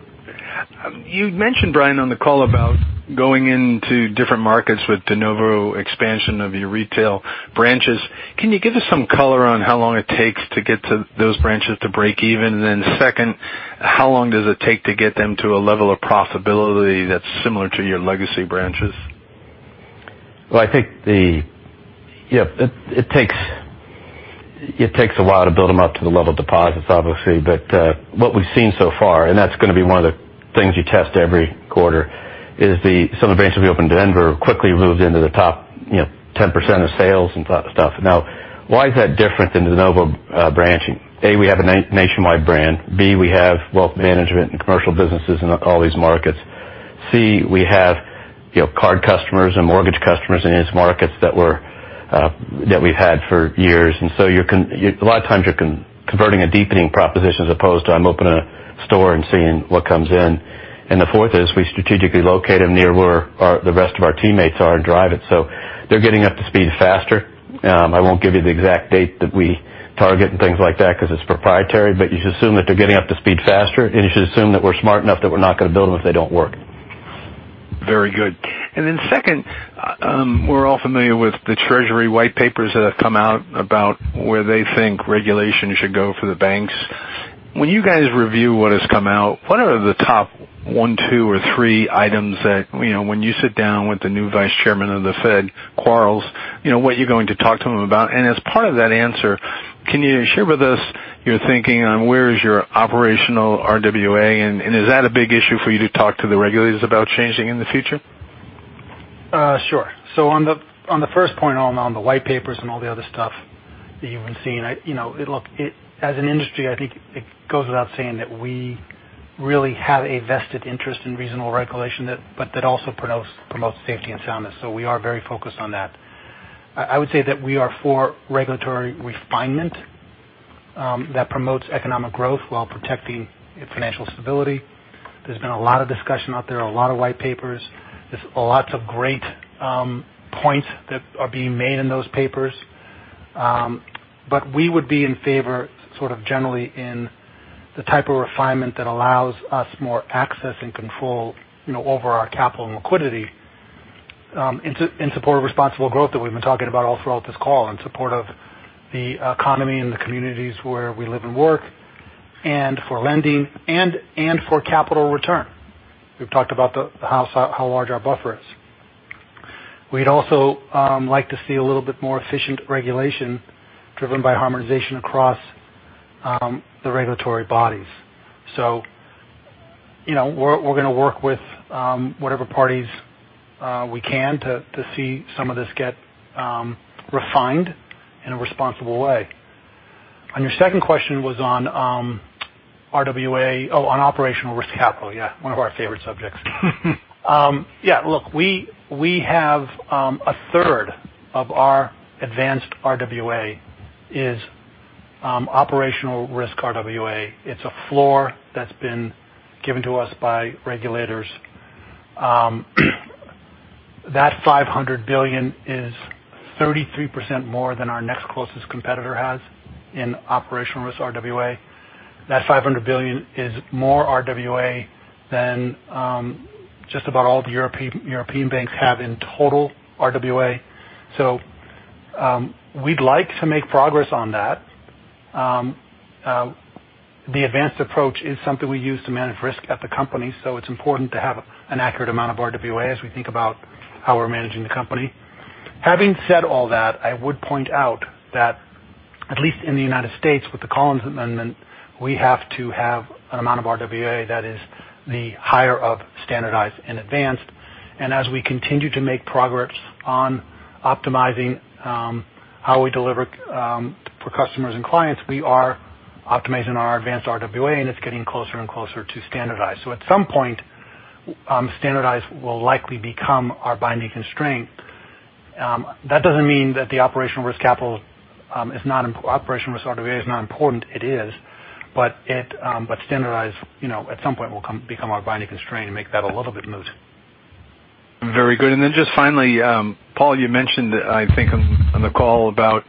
You mentioned, Brian, on the call about going into different markets with de novo expansion of your retail branches. Can you give us some color on how long it takes to get those branches to break even? Second, how long does it take to get them to a level of profitability that's similar to your legacy branches? It takes a while to build them up to the level of deposits, obviously. What we've seen so far, and that's going to be one of the things you test every quarter, is some of the branches we opened in Denver quickly moved into the top 10% of sales and stuff. Now, why is that different than de novo branching? A, we have a nationwide brand. B, we have wealth management and commercial businesses in all these markets. C, we have card customers and mortgage customers in these markets that we've had for years. A lot of times, you're converting a deepening proposition as opposed to I'm opening a store and seeing what comes in. The fourth is we strategically locate them near where the rest of our teammates are and drive it. They're getting up to speed faster. I won't give you the exact date that we target and things like that because it's proprietary. You should assume that they're getting up to speed faster, and you should assume that we're smart enough that we're not going to build them if they don't work. Very good. Second, we're all familiar with the Treasury whitepapers that have come out about where they think regulation should go for the banks. When you guys review what has come out, what are the top one, two, or three items that when you sit down with the new Vice Chairman of the Fed, Quarles, what you're going to talk to him about? As part of that answer, can you share with us your thinking on where is your operational RWA, and is that a big issue for you to talk to the regulators about changing in the future? Sure. On the first point on the whitepapers and all the other stuff that you've been seeing. Look, as an industry, I think it goes without saying that we really have a vested interest in reasonable regulation, that also promotes safety and soundness. We are very focused on that. I would say that we are for regulatory refinement that promotes economic growth while protecting financial stability. There's been a lot of discussion out there, a lot of whitepapers. There's lots of great points that are being made in those papers. We would be in favor sort of generally in the type of refinement that allows us more access and control over our capital and liquidity in support of responsible growth that we've been talking about all throughout this call, in support of the economy and the communities where we live and work, for lending, and for capital return. We've talked about how large our buffer is. We'd also like to see a little bit more efficient regulation driven by harmonization across the regulatory bodies. We're going to work with whatever parties we can to see some of this get refined in a responsible way. Your second question was on RWA. On operational risk capital. One of our favorite subjects. Look, we have a third of our advanced RWA is operational risk RWA. It's a floor that's been given to us by regulators. That $500 billion is 33% more than our next closest competitor has in operational risk RWA. That $500 billion is more RWA than just about all the European banks have in total RWA. We'd like to make progress on that. The advanced approach is something we use to manage risk at the company, it's important to have an accurate amount of RWA as we think about how we're managing the company. Having said all that, I would point out that at least in the U.S., with the Collins Amendment, we have to have an amount of RWA that is the higher of standardized and advanced. As we continue to make progress on optimizing how we deliver for customers and clients, we are optimizing our advanced RWA, and it's getting closer and closer to standardized. At some point, standardized will likely become our binding constraint. That doesn't mean that the operational risk capital operational risk RWA is not important. It is. Standardized at some point will become our binding constraint and make that a little bit moot. Very good. Just finally, Paul, you mentioned, I think, on the call about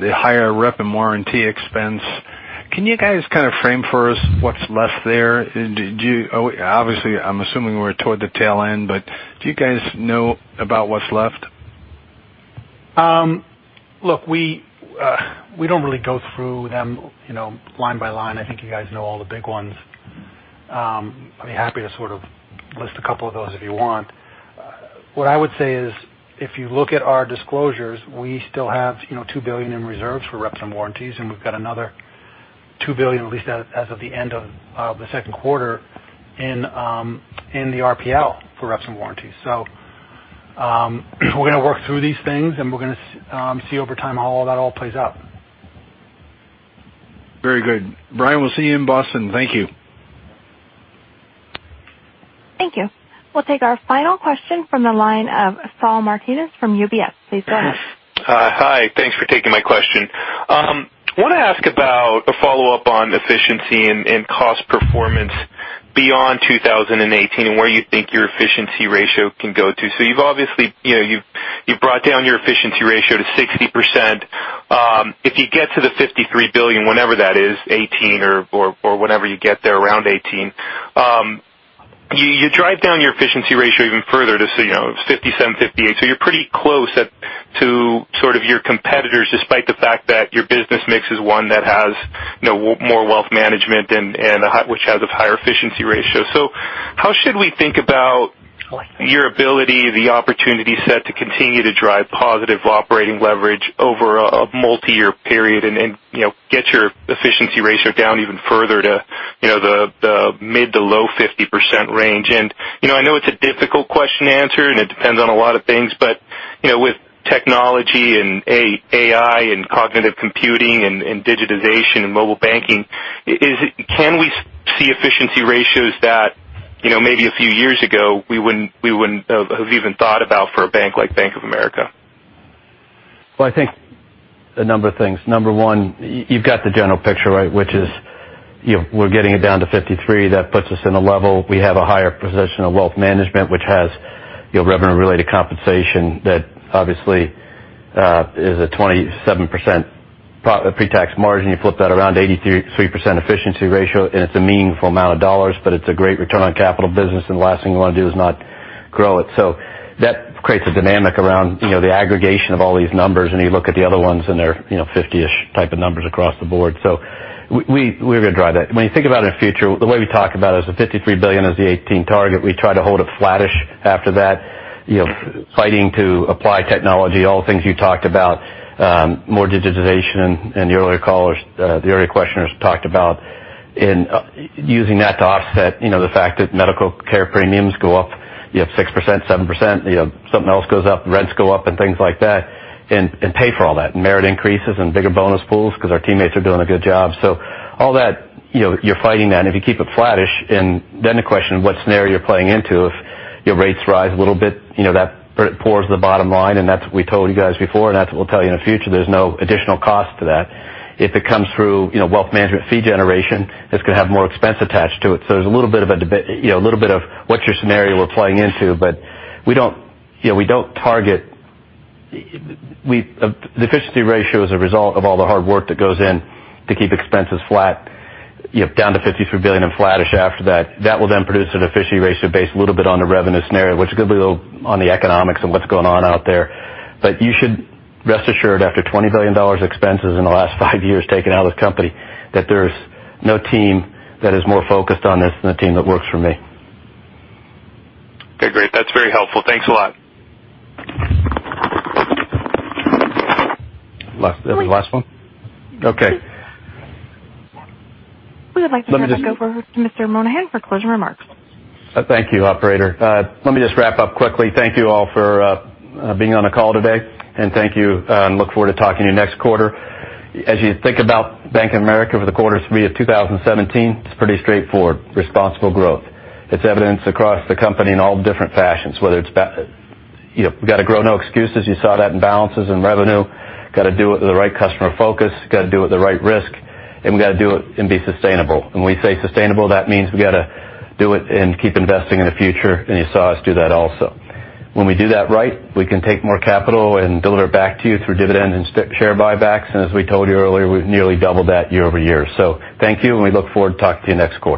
the higher rep and warranty expense. Can you guys kind of frame for us what's left there? Obviously, I'm assuming we're toward the tail end, do you guys know about what's left? Look, we don't really go through them line by line. I think you guys know all the big ones. I'd be happy to sort of list a couple of those if you want. What I would say is if you look at our disclosures, we still have $2 billion in reserves for reps and warranties, and we've got another $2 billion, at least as of the end of the second quarter in the RPL for reps and warranties. We're going to work through these things, and we're going to see over time how that all plays out. Very good. Brian, we'll see you in Boston. Thank you. Thank you. We'll take our final question from the line of Saul Martinez from UBS. Please go ahead. Hi. Thanks for taking my question. I want to ask about a follow-up on efficiency and cost performance beyond 2018 and where you think your efficiency ratio can go to. You've obviously brought down your efficiency ratio to 60%. If you get to the $53 billion, whenever that is, 2018 or whenever you get there, around 2018. You drive down your efficiency ratio even further to 57%, 58%. You're pretty close to sort of your competitors, despite the fact that your business mix is one that has more wealth management and which has a higher efficiency ratio. How should we think about your ability, the opportunity set to continue to drive positive operating leverage over a multi-year period and get your efficiency ratio down even further to the mid to low 50% range? I know it's a difficult question to answer, and it depends on a lot of things, but with Technology and AI and cognitive computing and digitization and mobile banking. Can we see efficiency ratios that maybe a few years ago we wouldn't have even thought about for a bank like Bank of America? Well, I think a number of things. Number one, you've got the general picture right, which is we're getting it down to $53 billion. That puts us in a level. We have a higher position of wealth management, which has revenue-related compensation that obviously is a 27% pre-tax margin. You flip that around 83% efficiency ratio, and it's a meaningful amount of $, but it's a great return on capital business, and the last thing we want to do is not grow it. That creates a dynamic around the aggregation of all these numbers, and you look at the other ones, and they're 50-ish type of numbers across the board. We're going to drive that. When you think about it in future, the way we talk about it is the $53 billion is the 2018 target. We try to hold it flattish after that, fighting to apply technology, all the things you talked about, more digitization, the earlier questioners talked about, and using that to offset the fact that medical care premiums go up, you have 6%-7%, something else goes up, rents go up and things like that, and pay for all that. Merit increases and bigger bonus pools because our teammates are doing a good job. All that, you're fighting that, if you keep it flattish, the question of what scenario you're playing into. If your rates rise a little bit, that pours the bottom line, that's what we told you guys before, that's what we'll tell you in the future. There's no additional cost to that. If it comes through wealth management fee generation, it's going to have more expense attached to it. There's a little bit of what's your scenario we're playing into. The efficiency ratio is a result of all the hard work that goes in to keep expenses flat, down to $53 billion and flattish after that. That will produce an efficiency ratio based a little bit on the revenue scenario. Which could be on the economics and what's going on out there. You should rest assured after $20 billion expenses in the last five years taken out of the company, that there's no team that is more focused on this than the team that works for me. Okay, great. That's very helpful. Thanks a lot. Is that the last one? Okay. We would like to turn the call over to Mr. Moynihan for closing remarks. Thank you, operator. Let me just wrap up quickly. Thank you all for being on the call today, and thank you. Look forward to talking to you next quarter. As you think about Bank of America for the quarters to be of 2017, it's pretty straightforward, responsible growth. It's evidenced across the company in all different fashions, whether it's got to grow, no excuses. You saw that in balances and revenue. Got to do it with the right customer focus, got to do it with the right risk, and we got to do it and be sustainable. When we say sustainable, that means we got to do it and keep investing in the future, and you saw us do that also. When we do that right, we can take more capital and deliver it back to you through dividends and share buybacks. As we told you earlier, we nearly doubled that year-over-year. Thank you, and we look forward to talking to you next quarter.